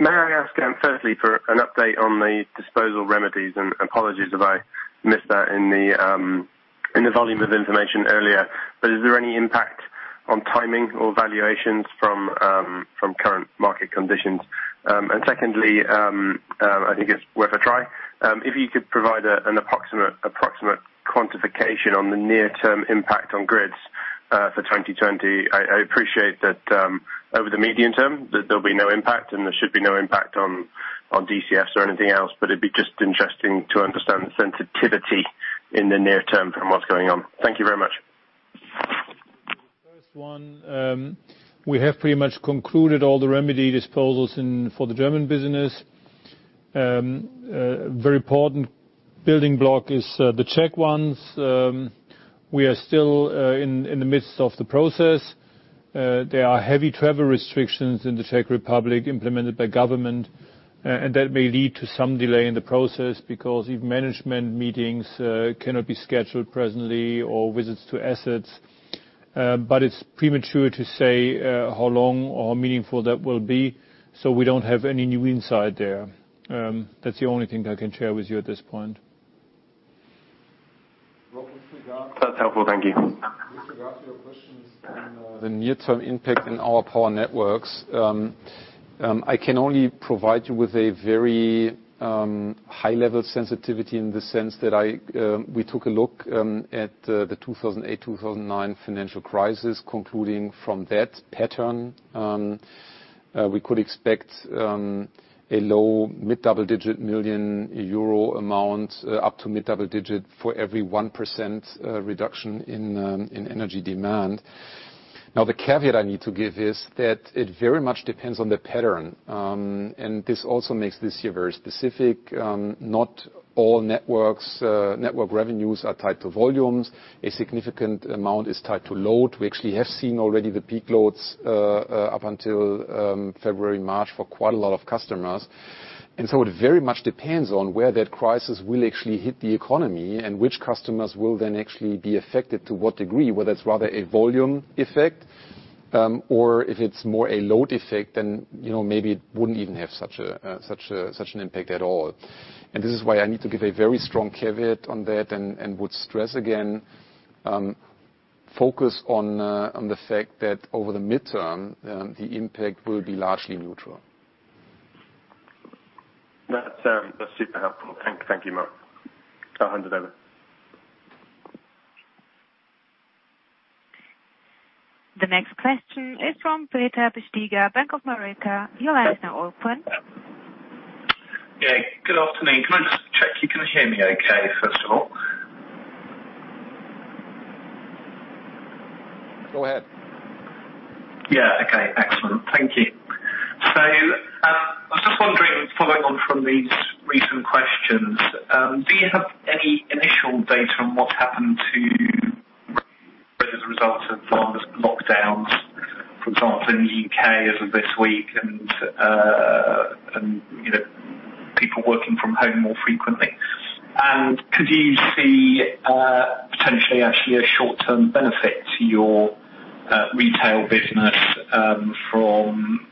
May I ask firstly for an update on the disposal remedies? Apologies if I missed that in the volume of information earlier. Is there any impact on timing or valuations from current market conditions? Secondly, I think it's worth a try. If you could provide an approximate quantification on the near-term impact on grids for 2020. I appreciate that over the medium term, there will be no impact, and there should be no impact on [DCS] or anything else, but it would be just interesting to understand the sensitivity in the near term from what's going on. Thank you very much. The first one, we have pretty much concluded all the remedy disposals for the German business. Very important building block is the Czech ones. We are still in the midst of the process. There are heavy travel restrictions in the Czech Republic implemented by government, that may lead to some delay in the process because even management meetings cannot be scheduled presently or visits to assets. It's premature to say how long or how meaningful that will be, we don't have any new insight there. That's the only thing I can share with you at this point. That's helpful. Thank you. With regard to your questions on the near-term impact in our power networks, I can only provide you with a very high-level sensitivity in the sense that we took a look at the 2008, 2009 financial crisis. Concluding from that pattern, we could expect a low mid-double-digit million euro amount, up to mid-double digit for every 1% reduction in energy demand. Now, the caveat I need to give is that it very much depends on the pattern. This also makes this year very specific. Not all network revenues are tied to volumes. A significant amount is tied to load. We actually have seen already the peak loads up until February, March for quite a lot of customers. It very much depends on where that crisis will actually hit the economy and which customers will then actually be affected to what degree, whether it's rather a volume effect, or if it's more a load effect, then maybe it wouldn't even have such an impact at all. This is why I need to give a very strong caveat on that and would stress again, focus on the fact that over the midterm, the impact will be largely neutral. That's super helpful. Thank you, Marc. I'll hand it over. The next question is from Peter Bisztyga, Bank of America. Your line is now open. Good afternoon. Can I just check you can hear me okay, first of all? Go ahead. Yeah. Okay, excellent. Thank you. I was just wondering, following on from these recent questions, do you have any initial data on what's happened to business results as a result of lockdowns, for example, in the U.K. as of this week and people working from home more frequently? Could you see potentially actually a short-term benefit to your retail business from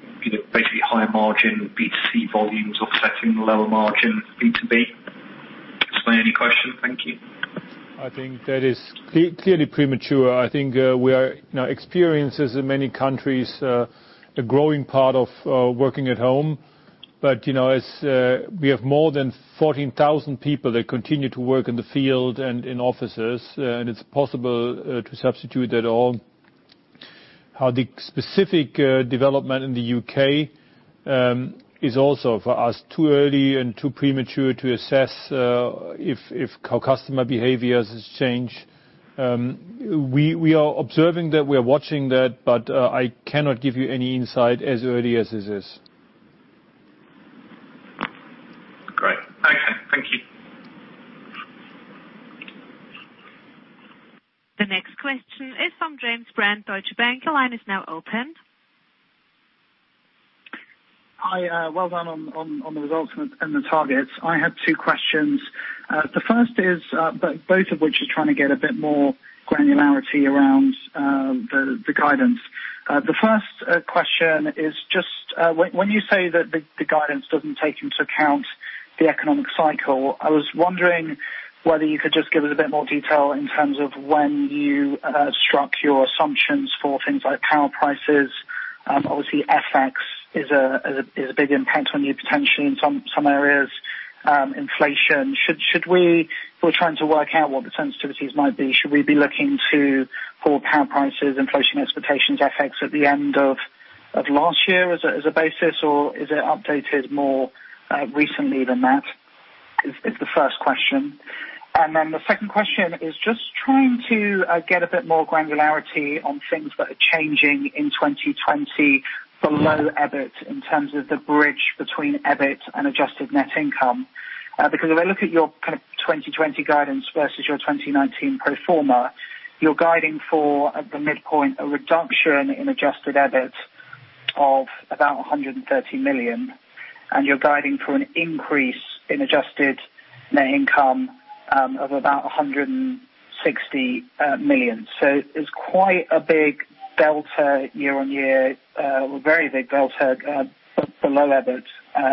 basically higher margin B2C volumes offsetting the lower margin B2B? Does that answer your question? Thank you. I think that is clearly premature. I think we are now experiencing in many countries, a growing part of working at home. We have more than 14,000 people that continue to work in the field and in offices, and it's possible to substitute that all. How the specific development in the U.K. is also for us too early and too premature to assess how customer behaviors change. We are observing that. We are watching that, I cannot give you any insight as early as this is. Great. Okay. Thank you. The next question is from James Brand, Deutsche Bank. Your line is now open. Hi. Well done on the results and the targets. I had two questions. The first is, both of which is trying to get a bit more granularity around the guidance. The first question is just when you say that the guidance doesn't take into account the economic cycle, I was wondering whether you could just give us a bit more detail in terms of when you struck your assumptions for things like power prices. Obviously, FX is a big impact on you potentially in some areas. Inflation. If we're trying to work out what the sensitivities might be, should we be looking to for power prices, inflation expectations, FX at the end of last year as a basis, or is it updated more recently than that? Is the first question. The second question is just trying to get a bit more granularity on things that are changing in 2020 below EBIT in terms of the bridge between EBIT and adjusted net income. If I look at your kind of 2020 guidance versus your 2019 pro forma, you're guiding for the midpoint a reduction in adjusted EBIT of about 130 million, and you're guiding for an increase in adjusted net income of about 160 million. It's quite a big delta year-on-year, a very big delta below EBIT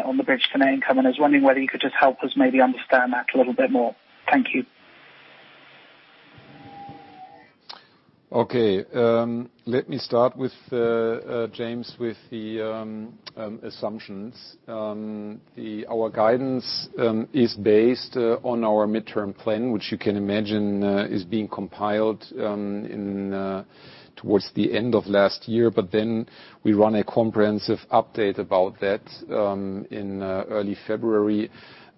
on the bridge to net income, and I was wondering whether you could just help us maybe understand that a little bit more. Thank you. Okay. Let me start, James, with the assumptions. Our guidance is based on our midterm plan, which you can imagine is being compiled towards the end of last year. Then we run a comprehensive update about that in early February.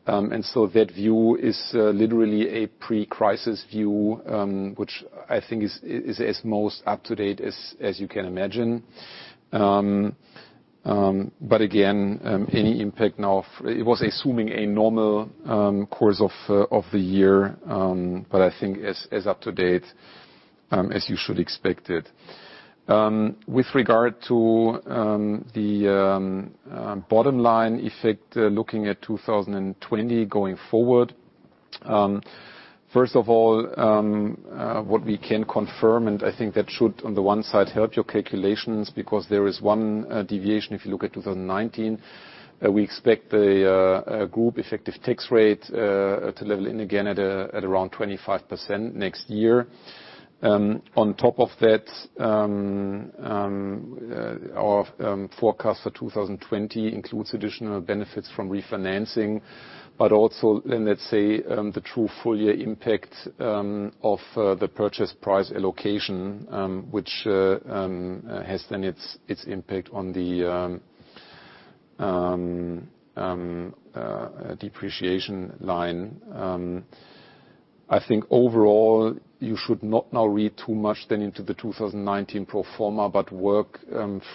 So that view is literally a pre-crisis view, which I think is as most up-to-date as you can imagine. Again, any impact now, it was assuming a normal course of the year, but I think as up-to-date as you should expect it. With regard to the bottom line effect, looking at 2020 going forward. First of all, what we can confirm, and I think that should, on the one side, help your calculations because there is one deviation if you look at 2019. We expect the group effective tax rate to level in again at around 25% next year. On top of that, our forecast for 2020 includes additional benefits from refinancing, but also, let's say, the true full year impact of the purchase price allocation, which has then its impact on the depreciation line. I think overall, you should not now read too much then into the 2019 pro forma, but work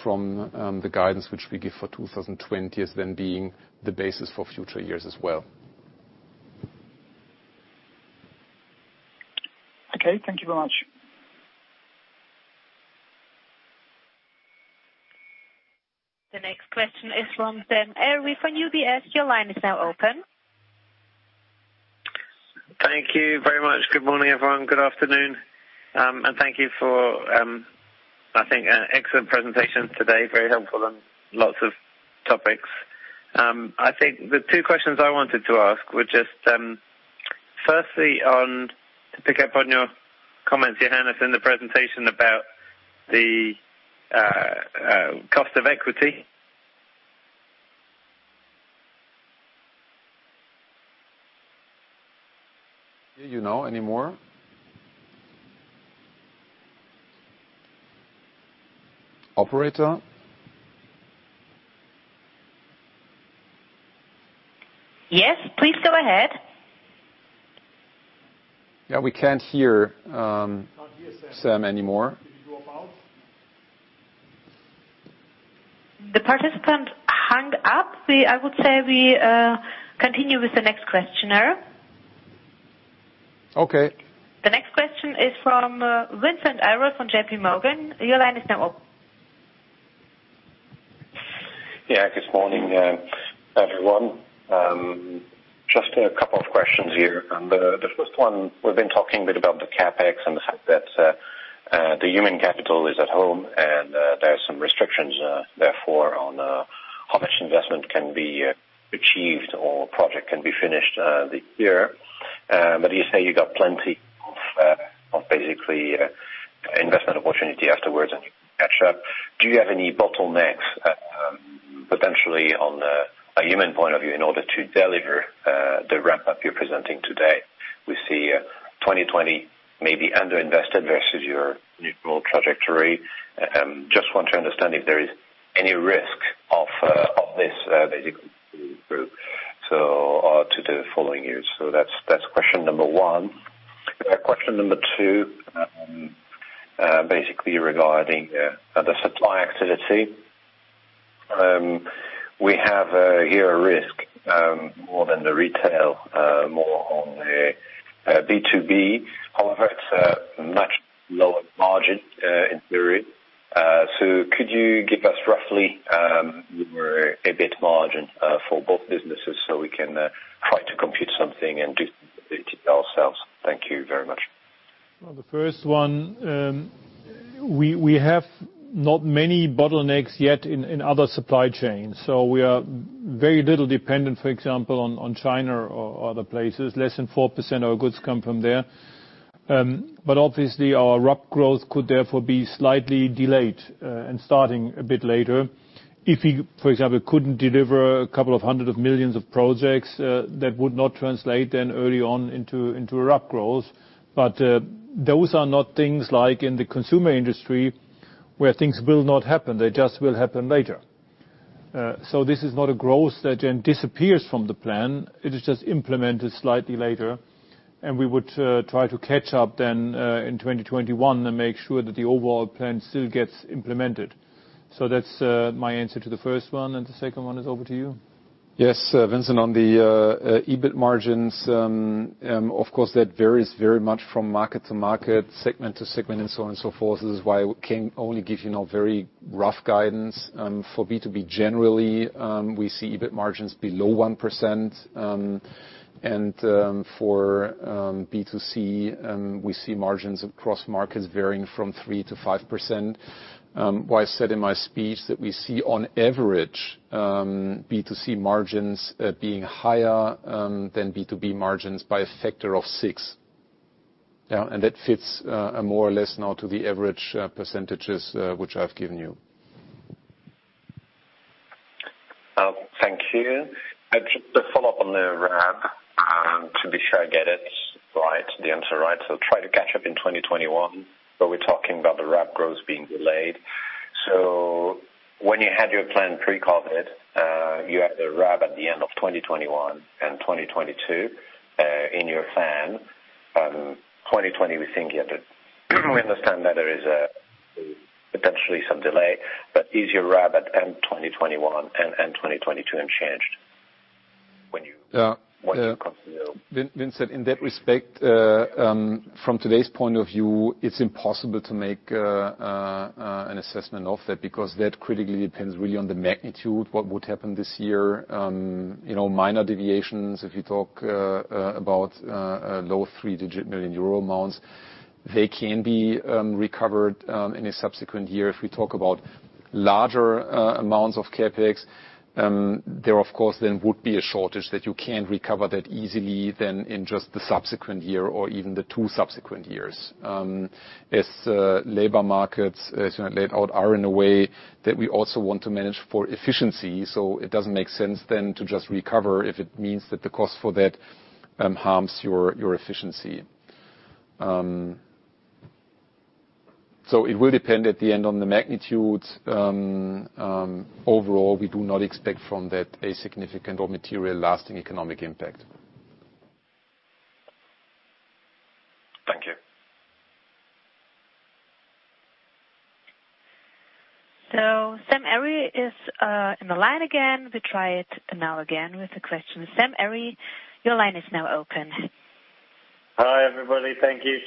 from the guidance which we give for 2020 as then being the basis for future years as well. Okay. Thank you very much. The next question is from Sam Arie from UBS. Your line is now open. Thank you very much. Good morning, everyone. Good afternoon. Thank you for I think an excellent presentation today. Very helpful on lots of topics. I think the two questions I wanted to ask were just, firstly, to pick up on your comments, Johannes, in the presentation about the cost of equity. Can you know any more? Operator? Yes, please go ahead. Yeah, we can't hear Sam anymore. Can't hear Sam. Did he drop out? The participant hung up. I would say we continue with the next questioner. Okay. The next question is from Vincent Ayral on JPMorgan. Your line is now open. Yeah. Good morning, everyone. Just a couple of questions here. The first one, we've been talking a bit about the CapEx and the fact that the human capital is at home and there are some restrictions, therefore, on how much investment can be achieved or a project can be finished this year. You say you got plenty of, basically, investment opportunity afterwards, and you can catch up. Do you have any bottlenecks, potentially, on a human point of view in order to deliver the ramp-up you're presenting today? We see 2020 may be under-invested versus your neutral trajectory. I just want to understand if there is any risk of this basically continuing through to the following years. That's question number one. Question number two, basically regarding the supply activity. We have here a risk, more than the retail, more on the B2B. However, it's a much lower margin, in theory. Could you give us roughly your EBIT margin for both businesses so we can try to compute something and do it ourselves? Thank you very much. Well, the first one, we have not many bottlenecks yet in other supply chains, so we are very little dependent, for example, on China or other places. Less than 4% of our goods come from there. Obviously, our RAB growth could therefore be slightly delayed and starting a bit later. If we, for example, couldn't deliver a couple of hundred of millions of projects, that would not translate then early on into RAB growth. Those are not things like in the consumer industry where things will not happen. They just will happen later. This is not a growth that then disappears from the plan. It is just implemented slightly later, and we would try to catch up then in 2021 and make sure that the overall plan still gets implemented. That's my answer to the first one, and the second one is over to you. Yes, Vincent, on the EBIT margins, of course, that varies very much from market-to-market, segment-to-segment, and so on and so forth. This is why we can only give you very rough guidance. For B2B, generally, we see EBIT margins below 1%. For B2C, we see margins across markets varying from 3%-5%. Why I said in my speech that we see, on average, B2C margins being higher than B2B margins by a factor of six. Yeah, that fits more or less now to the average percentages which I've given you. Thank you. Just to follow-up on the RAB, to be sure I get the answer right. Try to catch up in 2021, but we're talking about the RAB growth being delayed. When you had your plan pre-COVID, you had the RAB at the end of 2021 and 2022 in your plan. 2020, we think, yeah, we understand that there is potentially some delay, but is your RAB at end 2021 and end 2022 unchanged when you? Vincent, in that respect, from today's point of view, it is impossible to make an assessment of that because that critically depends really on the magnitude, what would happen this year. Minor deviations, if you talk about low three-digit million EUR amounts, they can be recovered in a subsequent year. If we talk about larger amounts of CapEx, there of course then would be a shortage that you cannot recover that easily then in just the subsequent year or even the two subsequent years. Labor markets, as laid out, are in a way that we also want to manage for efficiency. It does not make sense then to just recover if it means that the cost for that harms your efficiency. It will depend at the end on the magnitude. Overall, we do not expect from that a significant or material lasting economic impact. Thank you. Sam Arie is in the line again. We try it now again with the question. Sam Arie, your line is now open. Hi, everybody. Thank you.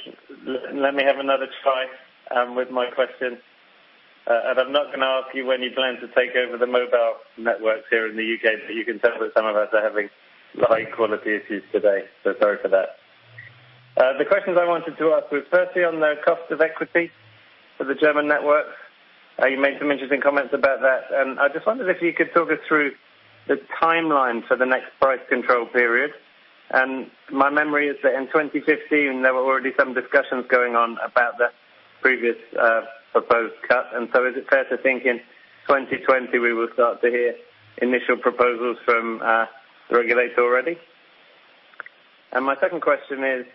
Let me have another try with my question. I'm not going to ask you when you plan to take over the mobile networks here in the U.K., but you can tell that some of us are having line quality issues today, so sorry for that. The questions I wanted to ask were firstly on the cost of equity for the German network. You made some interesting comments about that. I just wondered if you could talk us through the timeline for the next price control period. My memory is that in 2015, there were already some discussions going on about the previous proposed cut. Is it fair to think in 2020 we will start to hear initial proposals from the regulator already? My second question is,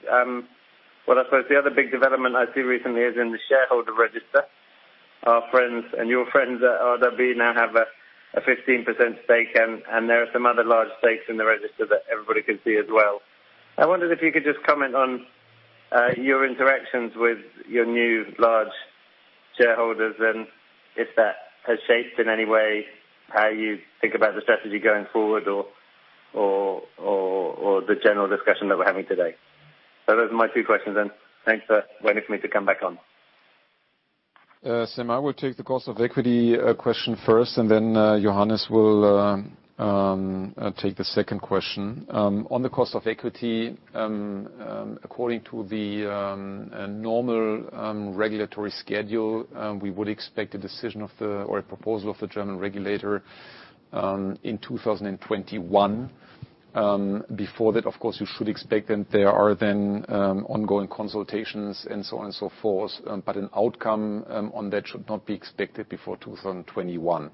what I suppose the other big development I see recently is in the shareholder register. Our friends and your friends at RWE now have a 15% stake. There are some other large stakes in the register that everybody can see as well. I wondered if you could just comment on your interactions with your new large shareholders and if that has shaped in any way how you think about the strategy going forward or the general discussion that we're having today. Those are my two questions then. Thanks for waiting for me to come back on. Sam, I will take the cost of equity question first, and then Johannes will take the second question. On the cost of equity, according to the normal regulatory schedule, we would expect a decision or a proposal of the German regulator in 2021. Before that, of course, you should expect that there are then ongoing consultations and so on and so forth. An outcome on that should not be expected before 2021.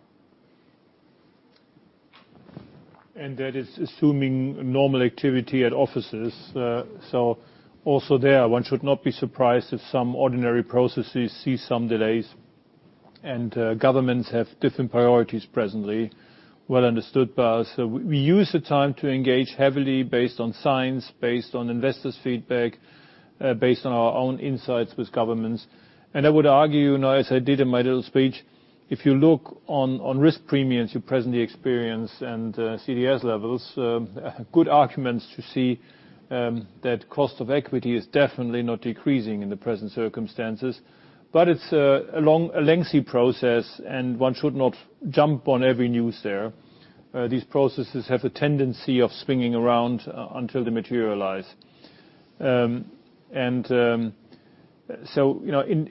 That is assuming normal activity at offices. Also there, one should not be surprised if some ordinary processes see some delays and governments have different priorities presently, well understood by us. We use the time to engage heavily based on science, based on investors' feedback, based on our own insights with governments. I would argue now, as I did in my little speech, if you look on risk premiums you presently experience and CDS levels, good arguments to see that cost of equity is definitely not decreasing in the present circumstances. It's a lengthy process, and one should not jump on every news there. These processes have a tendency of swinging around until they materialize.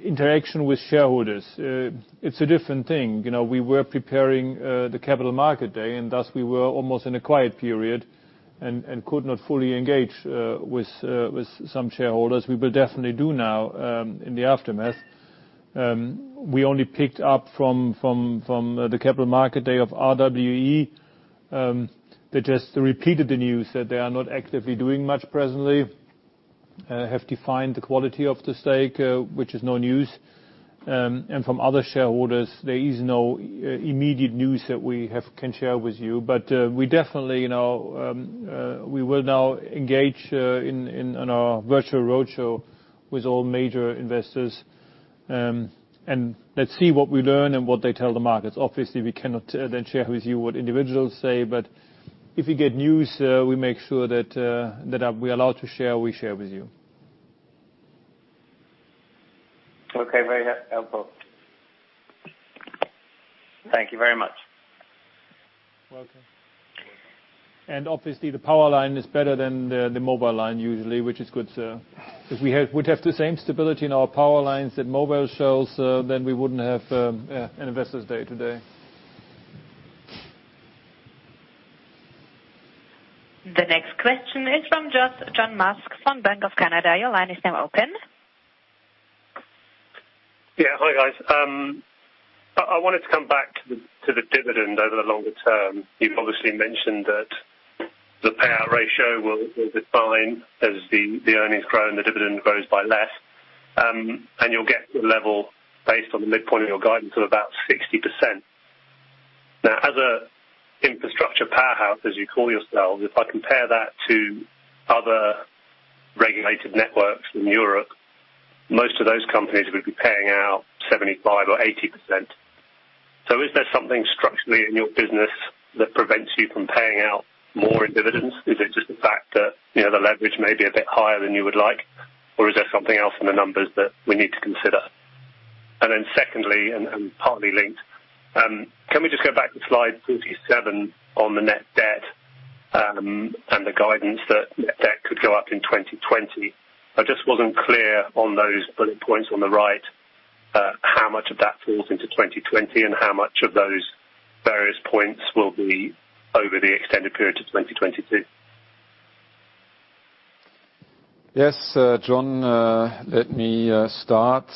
Interaction with shareholders, it's a different thing. We were preparing the Capital Market Day, thus we were almost in a quiet period and could not fully engage with some shareholders. We will definitely do now in the aftermath. We only picked up from the Capital Market Day of RWE. They just repeated the news that they are not actively doing much presently, have defined the quality of the stake, which is no news. From other shareholders, there is no immediate news that we can share with you. We definitely will now engage in our virtual roadshow with all major investors, and let's see what we learn and what they tell the markets. Obviously, we cannot then share with you what individuals say, but if we get news we make sure that we are allowed to share, we share with you. Okay. Very helpful. Thank you very much. Welcome. Obviously, the power line is better than the mobile line usually, which is good. If we would have the same stability in our power lines that mobile shows, we wouldn't have an Investors Day today. The next question is from John Musk from RBC. Your line is now open. Hi, guys. I wanted to come back to the dividend over the longer term. You've obviously mentioned that the payout ratio will decline as the earnings grow and the dividend grows by less. You'll get to a level based on the midpoint of your guidance of about 60%. As an infrastructure powerhouse, as you call yourselves, if I compare that to other regulated networks in Europe, most of those companies would be paying out 75% or 80%. Is there something structurally in your business that prevents you from paying out more in dividends? Is it just the fact that the leverage may be a bit higher than you would like? Is there something else in the numbers that we need to consider? Secondly, and partly linked, can we just go back to slide 37 on the net debt, and the guidance that net debt could go up in 2020? I just wasn't clear on those bullet points on the right, how much of that falls into 2020 and how much of those various points will be over the extended period to 2022. Yes, John. Let me start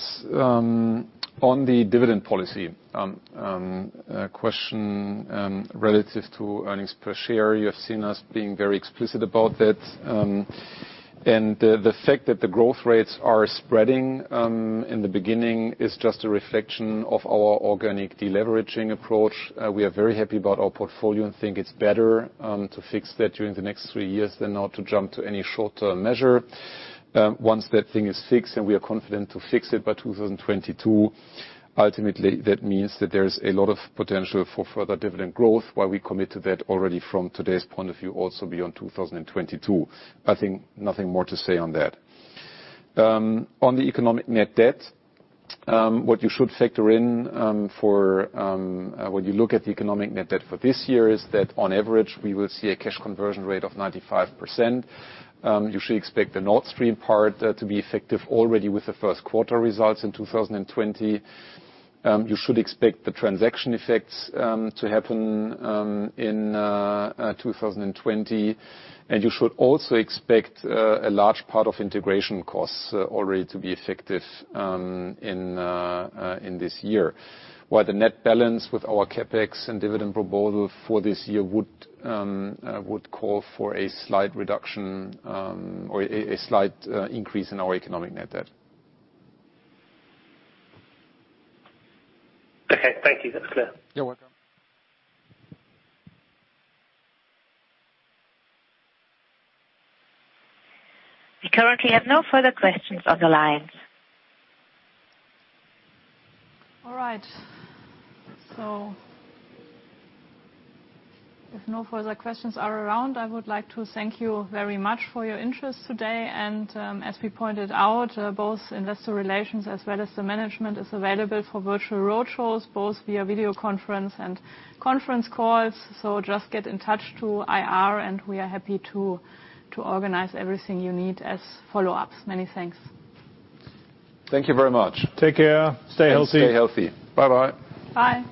on the dividend policy question relative to earnings per share. You have seen us being very explicit about that. The fact that the growth rates are spreading in the beginning is just a reflection of our organic deleveraging approach. We are very happy about our portfolio and think it's better to fix that during the next three years than now to jump to any short-term measure. Once that thing is fixed, and we are confident to fix it by 2022, ultimately, that means that there is a lot of potential for further dividend growth, while we commit to that already from today's point of view also beyond 2022. I think nothing more to say on that. On the economic net debt, what you should factor in when you look at the economic net debt for this year is that on average, we will see a cash conversion rate of 95%. You should expect the Nord Stream part to be effective already with the first quarter results in 2020. You should expect the transaction effects to happen in 2020. You should also expect a large part of integration costs already to be effective in this year. While the net balance with our CapEx and dividend proposal for this year would call for a slight reduction or a slight increase in our economic net debt. Okay. Thank you. That's clear. You're welcome. We currently have no further questions on the lines. All right. If no further questions are around, I would like to thank you very much for your interest today. As we pointed out, both Investor Relations as well as the management is available for virtual roadshows, both via video conference and conference calls. Just get in touch to IR, and we are happy to organize everything you need as follow-ups. Many thanks. Thank you very much. Take care. Stay healthy. Stay healthy. Bye-bye. Bye.